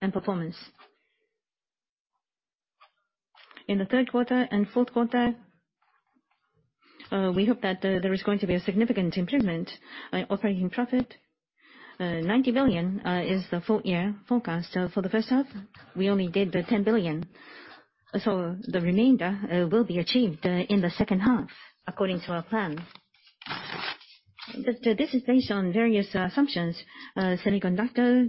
and performance. In the Q3 and Q4, we hope that there is going to be a significant improvement in operating profit. 90 billion is the full year forecast. For the first half, we only did 10 billion, so the remainder will be achieved in the second half, according to our plan. This is based on various assumptions. Semiconductor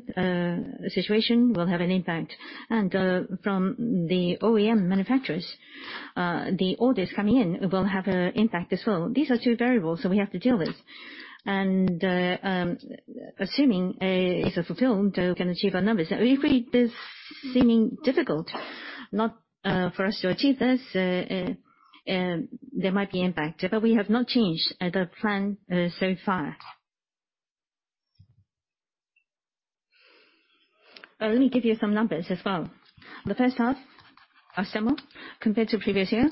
situation will have an impact. From the OEM manufacturers, the orders coming in will have an impact as well. These are two variables that we have to deal with. Assuming it's fulfilled, we can achieve our numbers. If this seems difficult not for us to achieve this, there might be impact, but we have not changed the plan so far. Let me give you some numbers as well. The first half Astemo compared to previous year,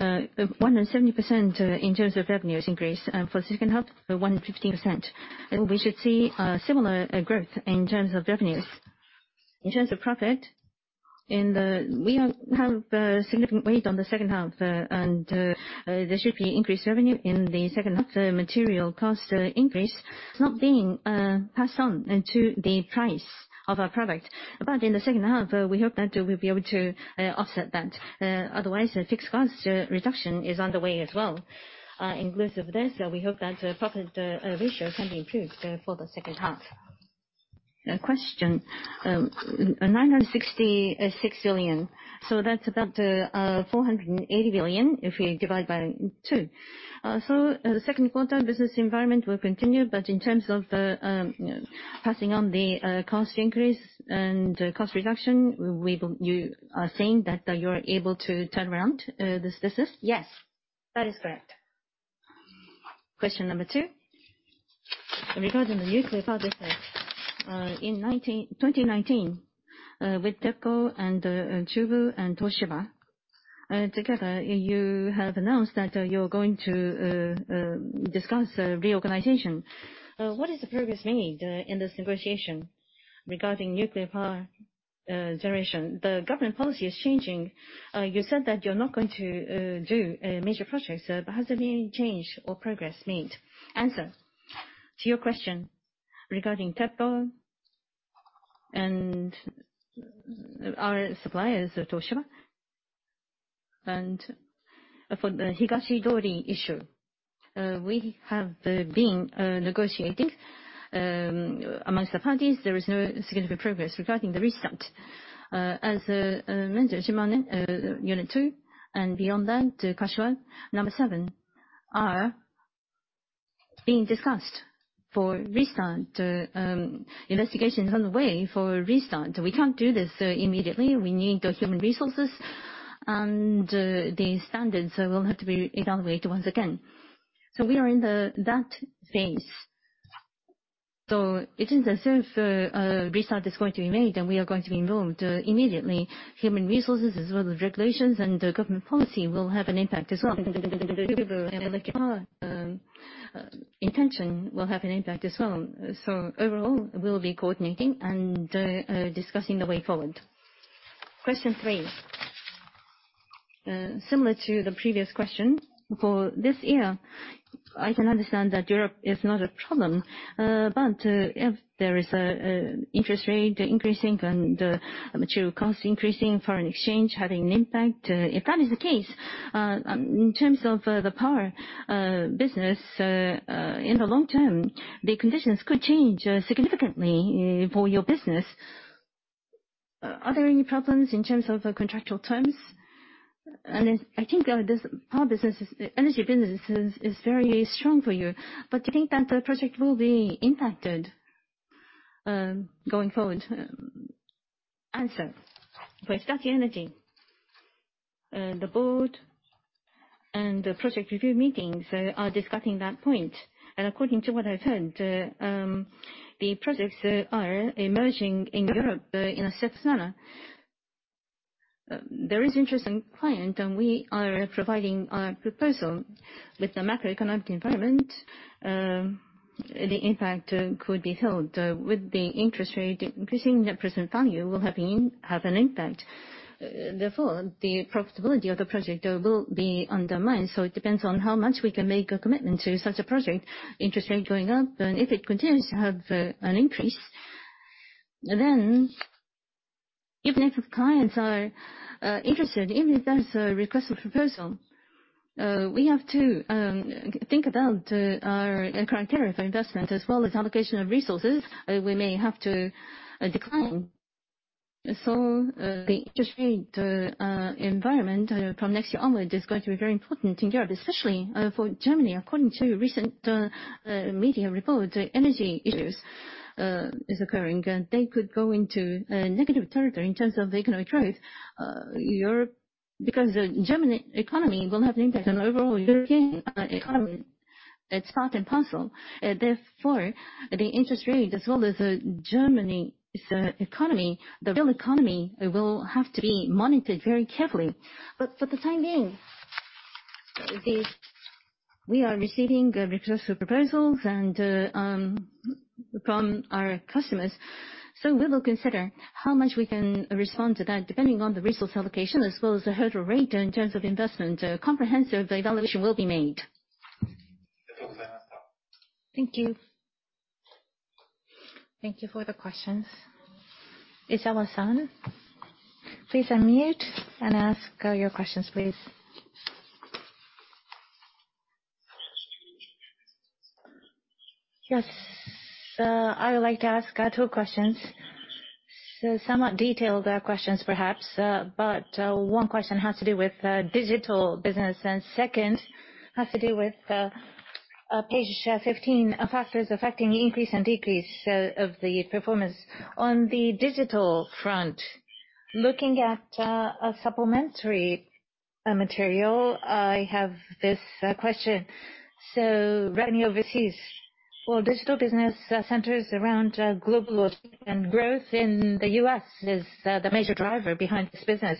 170% in terms of revenues increased. For the second half, 115%. We should see a similar growth in terms of revenues. In terms of profit, we have significant weight on the second half. There should be increased revenue in the second half. The material cost increase is not being passed on into the price of our product. In the second half, we hope that we'll be able to offset that. Otherwise, fixed cost reduction is underway as well. Inclusive this, we hope that profit ratio can be improved for the second half. Question. 9.66 billion. That's about 480 billion if you divide by two. Second quarter business environment will continue, but in terms of the passing on the cost increase and cost reduction, we will—you are saying that you're able to turn around this business? Yes, that is correct. Question number two. Regarding the nuclear power business, in 2019, with TEPCO and Chubu and Toshiba, together you have announced that you're going to discuss a reorganization. What is the progress made in this negotiation regarding nuclear power generation? The government policy is changing. You said that you're not going to do major projects. Has there been any change or progress made? Answer. To your question regarding TEPCO and our suppliers at Toshiba, and for the Higashi-Dori issue, we have been negotiating among the parties. There is no significant progress regarding the restart. As Shimane unit 2 and beyond that, Kashiwazaki-Kariwa number seven, are being discussed for restart. Investigation is underway for restart. We can't do this immediately. We need the human resources and the standards will have to be evaluated once again. We are in that phase. It isn't as if a restart is going to be made and we are going to be involved immediately. Human resources as well as regulations and government policy will have an impact as well. Electric power intention will have an impact as well. Overall, we'll be coordinating and discussing the way forward. Question three. Similar to the previous question. For this year, I can understand that Europe is not a problem. If there is a interest rate increasing and material costs increasing, foreign exchange having an impact, if that is the case, in terms of the power business, in the long term, the conditions could change significantly for your business. Are there any problems in terms of the contractual terms? I think the energy business is very strong for you. Do you think that the project will be impacted going forward? Answer. For Hitachi Energy, the board and the project review meetings are discussing that point. According to what I've heard, the projects are emerging in Europe in a certain manner. There is interest in client, and we are providing our proposal. With the macroeconomic environment, the impact could be felt. With the interest rate increasing, the present value will have an impact. Therefore, the profitability of the project will be undermined. It depends on how much we can make a commitment to such a project. Interest rate going up, and if it continues to have an increase, then even if clients are interested, even if there's a request for proposal, we have to think about our criteria for investment as well as allocation of resources, we may have to decline. The interest rate environment from next year onward is going to be very important in Europe, especially for Germany. According to recent media reports, energy issues is occurring, and they could go into negative territory in terms of the economic growth. Because the German economy will have an impact on overall European economy. It's part and parcel. Therefore, the interest rate as well as Germany's economy, the real economy, will have to be monitored very carefully. But for the time being, we are receiving requests for proposals from our customers. So we will consider how much we can respond to that depending on the resource allocation as well as the hurdle rate in terms of investment. A comprehensive evaluation will be made. Thank you. Thank you for the questions. Isawa-san, please unmute and ask your questions, please. Yes. I would like to ask two questions. Somewhat detailed questions perhaps, but one question has to do with digital business, and second has to do with page 15, factors affecting increase and decrease of the performance. On the digital front, looking at a supplementary material, I have this question. Revenue overseas for digital business centers around GlobalLogic and growth in the U.S. is the major driver behind this business.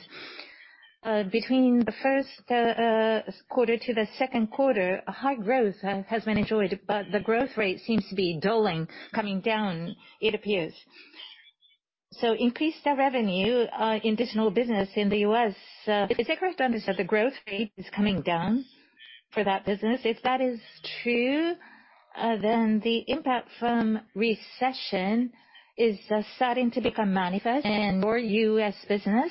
Between the first quarter to the second quarter, a high growth has been enjoyed, but the growth rate seems to be dulling, coming down, it appears. Increased revenue in digital business in the U.S., is it correct to understand the growth rate is coming down for that business? If that is true, then the impact from recession is starting to become manifest in your U.S. business.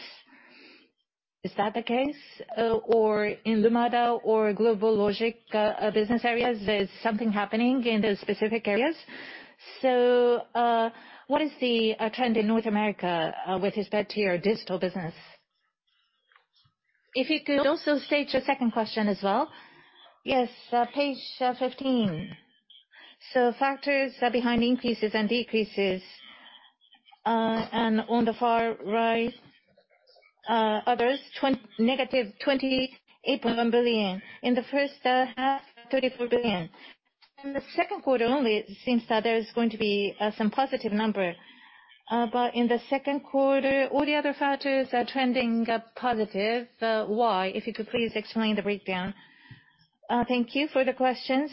Is that the case? In Lumada or GlobalLogic business areas, there's something happening in those specific areas? What is the trend in North America with respect to your digital business? If you could also state your second question as well. Yes. Page 15. Factors behind increases and decreases and on the far right, others, -28.1 billion. In the first half, 34 billion. In the second quarter only, it seems that there is going to be some positive number. In the second quarter, all the other factors are trending positive. Why? If you could please explain the breakdown. Thank you for the questions.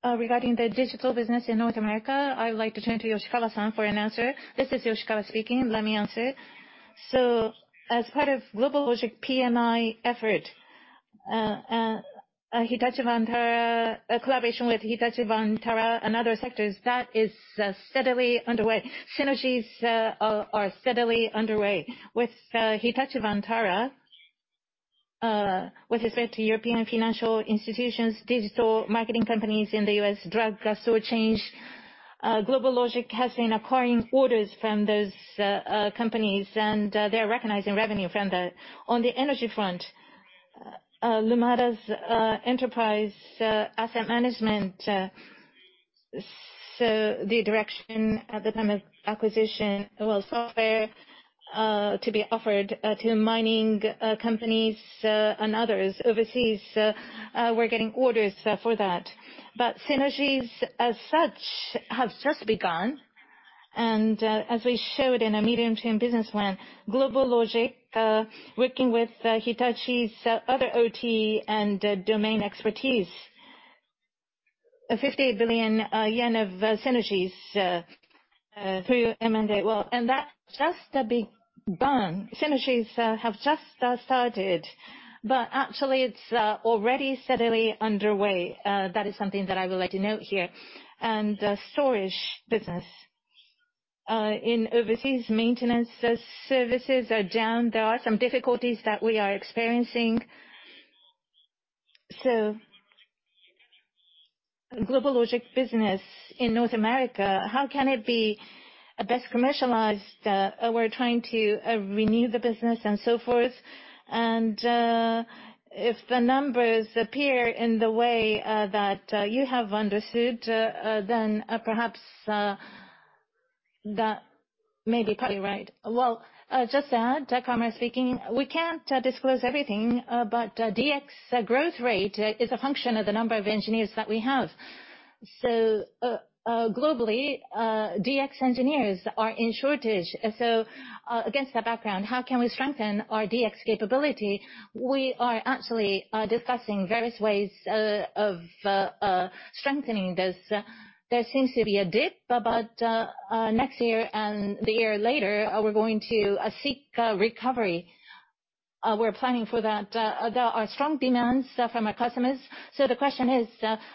Regarding the digital business in North America, I would like to turn to Yoshikawa-san for an answer. This is Yoshikawa speaking. Let me answer. As part of GlobalLogic PMI effort, Hitachi Vantara, a collaboration with Hitachi Vantara and other sectors, that is, steadily underway. Synergies are steadily underway. With Hitachi Vantara, with respect to European financial institutions, digital marketing companies in the U.S., drug store chains, GlobalLogic has been acquiring orders from those companies, and they're recognizing revenue from that. On the energy front, Lumada's Enterprise Asset Management, so the direction at the time of acquisition was software to be offered to mining companies and others overseas. We're getting orders for that. Synergies as such have just begun, and as we showed in our medium-term business plan, GlobalLogic working with Hitachi's other OT and domain expertise, JPY 58 billion of synergies through M&A. Well, that's just begun. Synergies have just started, but actually it's already steadily underway. That is something that I would like to note here. Storage business. In overseas maintenance, the services are down. There are some difficulties that we are experiencing. GlobalLogic business in North America, how can it be best commercialized? We're trying to renew the business and so forth. If the numbers appear in the way that you have understood, then perhaps that may be partly right. Well, just to add, Kawamura speaking. We can't disclose everything, but DX growth rate is a function of the number of engineers that we have. Globally, DX engineers are in shortage. Against that background, how can we strengthen our DX capability? We are actually discussing various ways of strengthening this. There seems to be a dip, but next year and the year later, we're going to seek recovery. We're planning for that. There are strong demands from our customers, so the question is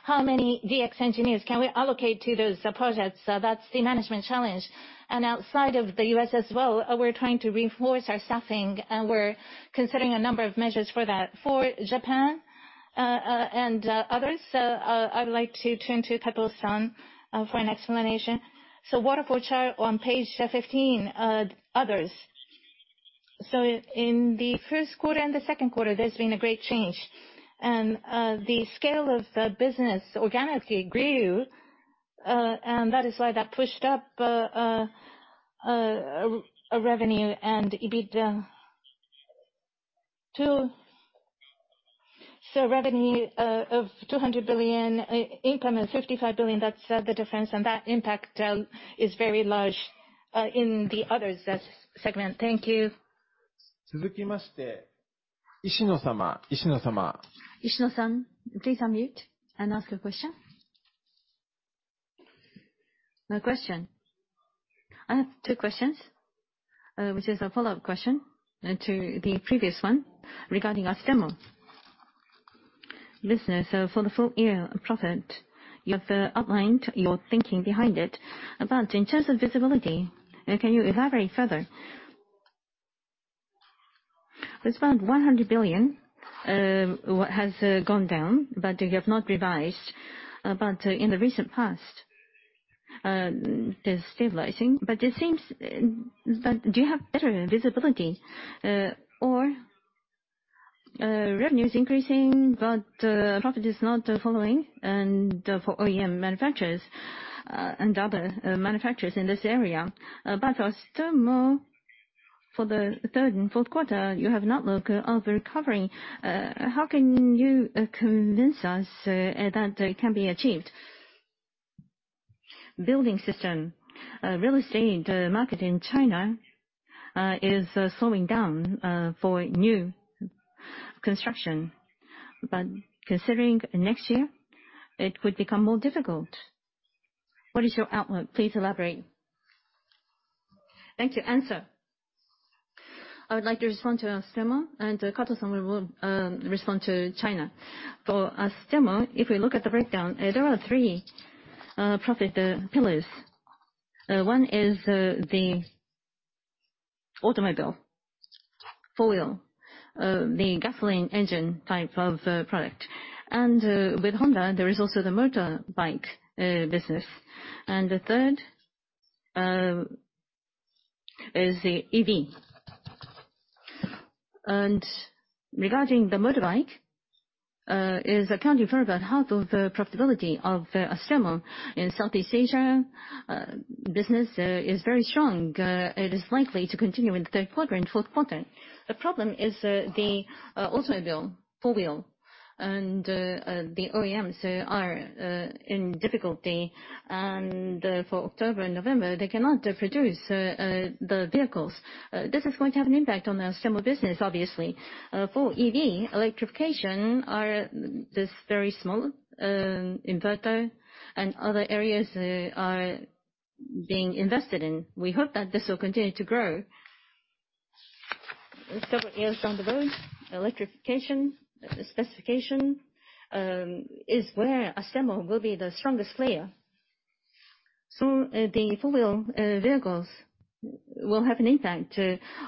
how many DX engineers can we allocate to those projects? That's the management challenge. Outside of the U.S. as well, we're trying to reinforce our staffing, and we're considering a number of measures for that. For Japan and others, I would like to turn to Kato-san for an explanation. Waterfall chart on page 15, others. In the first quarter and the second quarter, there's been a great change. The scale of the business organically grew, and that is why that pushed up revenue and EBITDA too. Revenue of 200 billion, income of 55 billion, that's the difference, and that impact is very large in the Others segment. Thank you. Ishino-sama. Ishino-san, please unmute and ask your question. No question. I have two questions, which is a follow-up question to the previous one regarding Astemo business. For the full year profit, you have outlined your thinking behind it. In terms of visibility, can you elaborate further? There's about 100 billion what has gone down, but you have not revised. In the recent past, it is stabilizing, but it seems that do you have better visibility? Or revenue is increasing but profit is not following and for OEM manufacturers and other manufacturers in this area. But Astemo, for the Q3 and Q4, you have an outlook of recovering. How can you convince us that it can be achieved? Building Systems. Real estate, the market in China, is slowing down for new construction. Considering next year, it could become more difficult. What is your outlook? Please elaborate. Thank you. Answer. I would like to respond to Astemo, and Kato-san will respond to China. For Astemo, if we look at the breakdown, there are three profit pillars. One is the automobile, four-wheel, the gasoline engine type of product. With Honda, there is also the motorbike business. The third is the EV. Regarding the motorbike is accounting for about half of the profitability of Astemo in Southeast Asia. Business is very strong. It is likely to continue in the Q3 and Q4. The problem is the automobile, four-wheel, and the OEMs are in difficulty. For October and November, they cannot produce the vehicles. This is going to have an impact on Astemo business, obviously. For EV, electrification are this very small inverter and other areas are being invested in. We hope that this will continue to grow. Several years down the road, electrification, specification is where Astemo will be the strongest player. The four-wheel vehicles will have an impact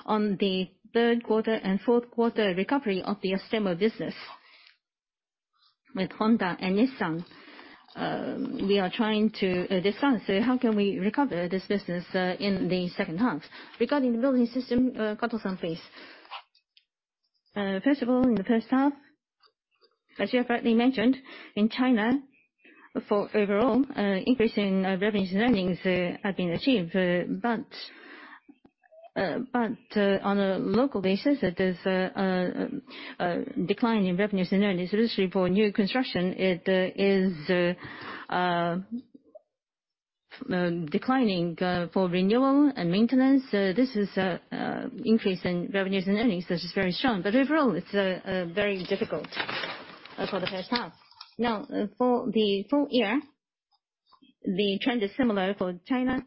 on the Q3 and Q4 recovery of the Astemo business. With Honda and Nissan, we are trying to discuss how can we recover this business in the second half. Regarding the Building Systems, Kato-san, please. First of all, in the first half, as you have rightly mentioned, in China, for overall increase in revenues and earnings have been achieved. But on a local basis, there's a decline in revenues and earnings, especially for new construction. It is declining for renewal and maintenance. This is increase in revenues and earnings, which is very strong. But overall, it's very difficult for the first half. Now, for the full year, the trend is similar for China.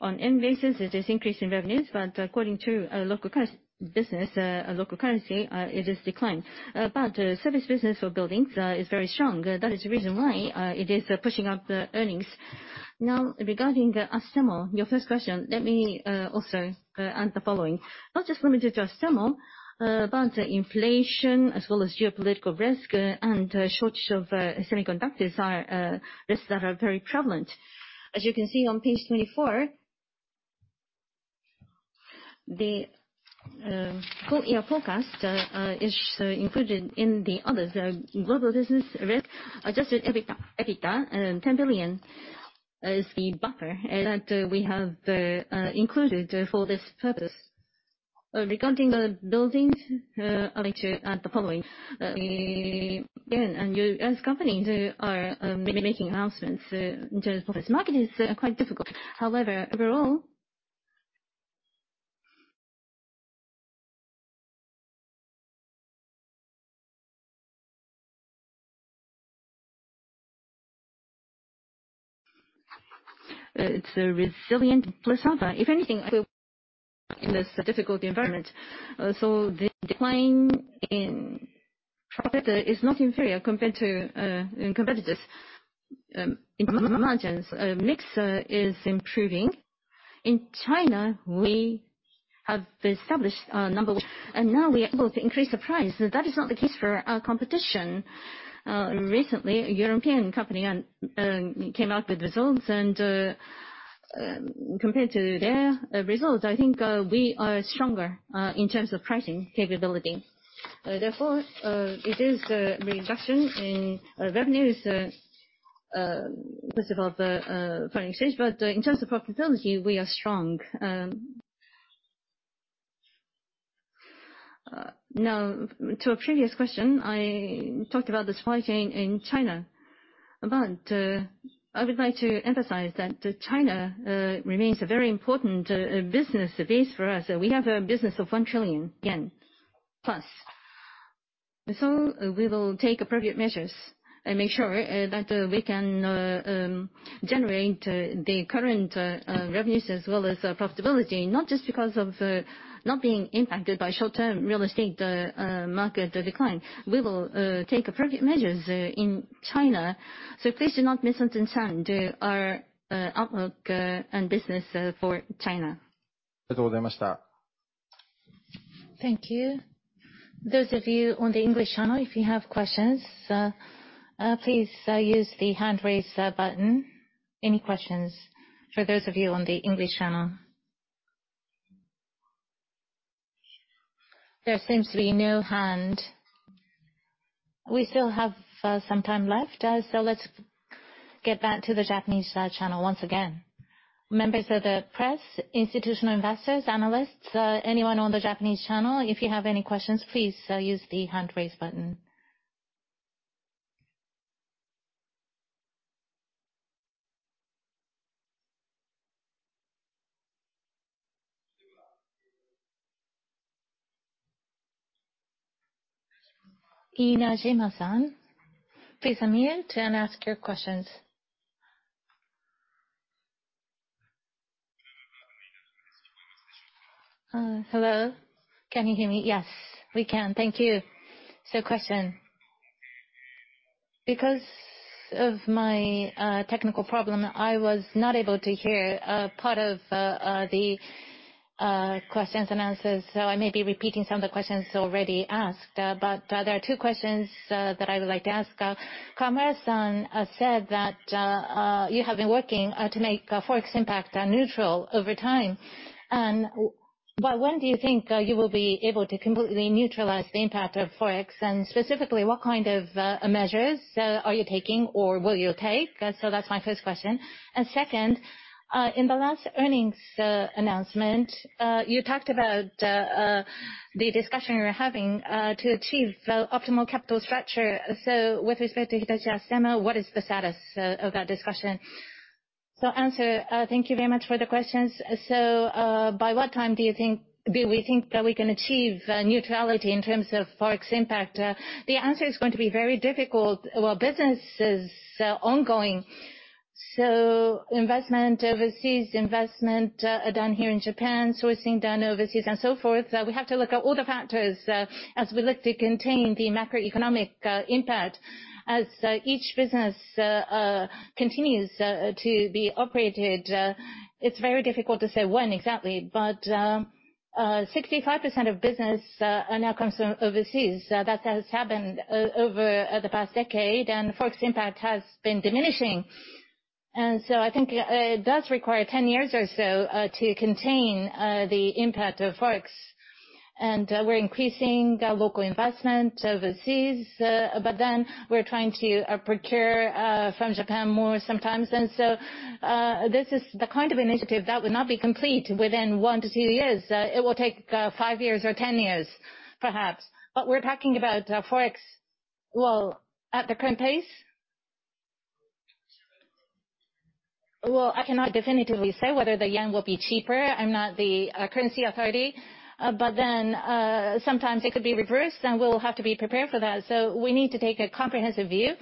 On yen basis, it is increase in revenues, but according to a local currency, it is declined. Service business for buildings is very strong. That is the reason why it is pushing up the earnings. Now, regarding Astemo, your first question, let me also add the following. Not just limited to Astemo, but inflation as well as geopolitical risk and a shortage of semiconductors are risks that are very prevalent. As you can see on page 24, the full year forecast is included in the others. Global business risk adjusted EBITDA, 10 billion is the buffer that we have included for this purpose. Regarding the buildings, I'd like to add the following. You, as companies are really making announcements in terms of what this market is quite difficult. However, overall it's a resilient platform. If anything, I feel in this difficult environment. The decline in profit is not inferior compared to competitors. In margin mix is improving. In China, we have established a name, and now we are able to increase the price. That is not the case for our competition. Recently, a European company came out with results, and compared to their results, I think we are stronger in terms of pricing capability. Therefore, it is a reduction in revenues because of the foreign exchange. In terms of profitability, we are strong. Now to a previous question, I talked about the supply chain in China. I would like to emphasize that China remains a very important business base for us. We have a business of 1 trillion yen plus. We will take appropriate measures and make sure that we can generate the current revenues as well as profitability, not just because of not being impacted by short-term real estate market decline. We will take appropriate measures in China, so please do not misunderstand our outlook and business for China. Thank you. Those of you on the English channel, if you have questions, please use the hand raise button. Any questions for those of you on the English channel? There seems to be no hand. We still have some time left, so let's get back to the Japanese channel once again. Members of the press, institutional investors, analysts, anyone on the Japanese channel, if you have any questions, please, use the hand raise button. Iijima-san, please unmute and ask your questions. Hello, can you hear me? Yes, we can. Thank you. Question. Because of my technical problem, I was not able to hear part of the questions and answers. I may be repeating some of the questions already asked. There are two questions that I would like to ask. Kawamura-san said that you have been working to make Forex impact neutral over time. But when do you think you will be able to completely neutralize the impact of Forex? Specifically, what kind of measures are you taking or will you take? That's my first question. Second, in the last earnings announcement, you talked about the discussion you were having to achieve the optimal capital structure. With respect to Hitachi Astemo, what is the status of that discussion? Answer. Thank you very much for the questions. By what time do we think that we can achieve neutrality in terms of Forex impact? The answer is going to be very difficult. Well, business is ongoing. Investment overseas, investment done here in Japan, sourcing done overseas, and so forth. We have to look at all the factors as we look to contain the macroeconomic impact. As each business continues to be operated, it's very difficult to say when exactly. But 65% of business now comes from overseas. That has happened over the past decade, and Forex impact has been diminishing. I think it does require 10 years or so to contain the impact of Forex. We're increasing local investment overseas, but then we're trying to procure from Japan more sometimes. This is the kind of initiative that would not be complete within one to two years. It will take five years or 10 years perhaps. We're talking about Forex. Well, at the current pace. Well, I cannot definitively say whether the yen will be cheaper. I'm not the currency authority. Sometimes it could be reversed, and we'll have to be prepared for that. We need to take a comprehensive view.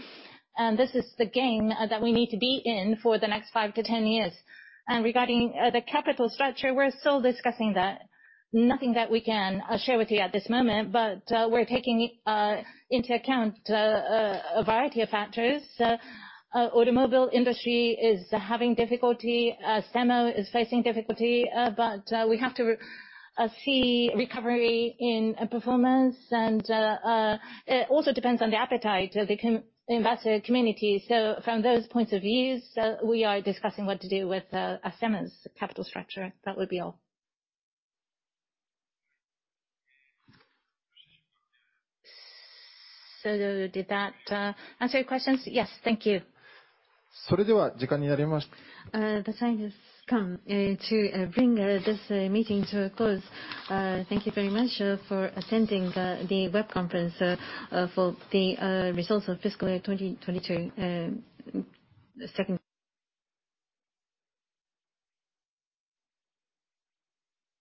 This is the game that we need to be in for the next five to 10 years. Regarding the capital structure, we're still discussing that. Nothing that we can share with you at this moment. We're taking into account a variety of factors. Automobile industry is having difficulty. Astemo is facing difficulty. We have to see recovery in performance. It also depends on the appetite of the investor community. From those points of view, we are discussing what to do with Astemo's capital structure. That would be all. Did that answer your questions? Yes. Thank you. The time has come to bring this meeting to a close. Thank you very much for attending the web conference for the results of fiscal year 2022, second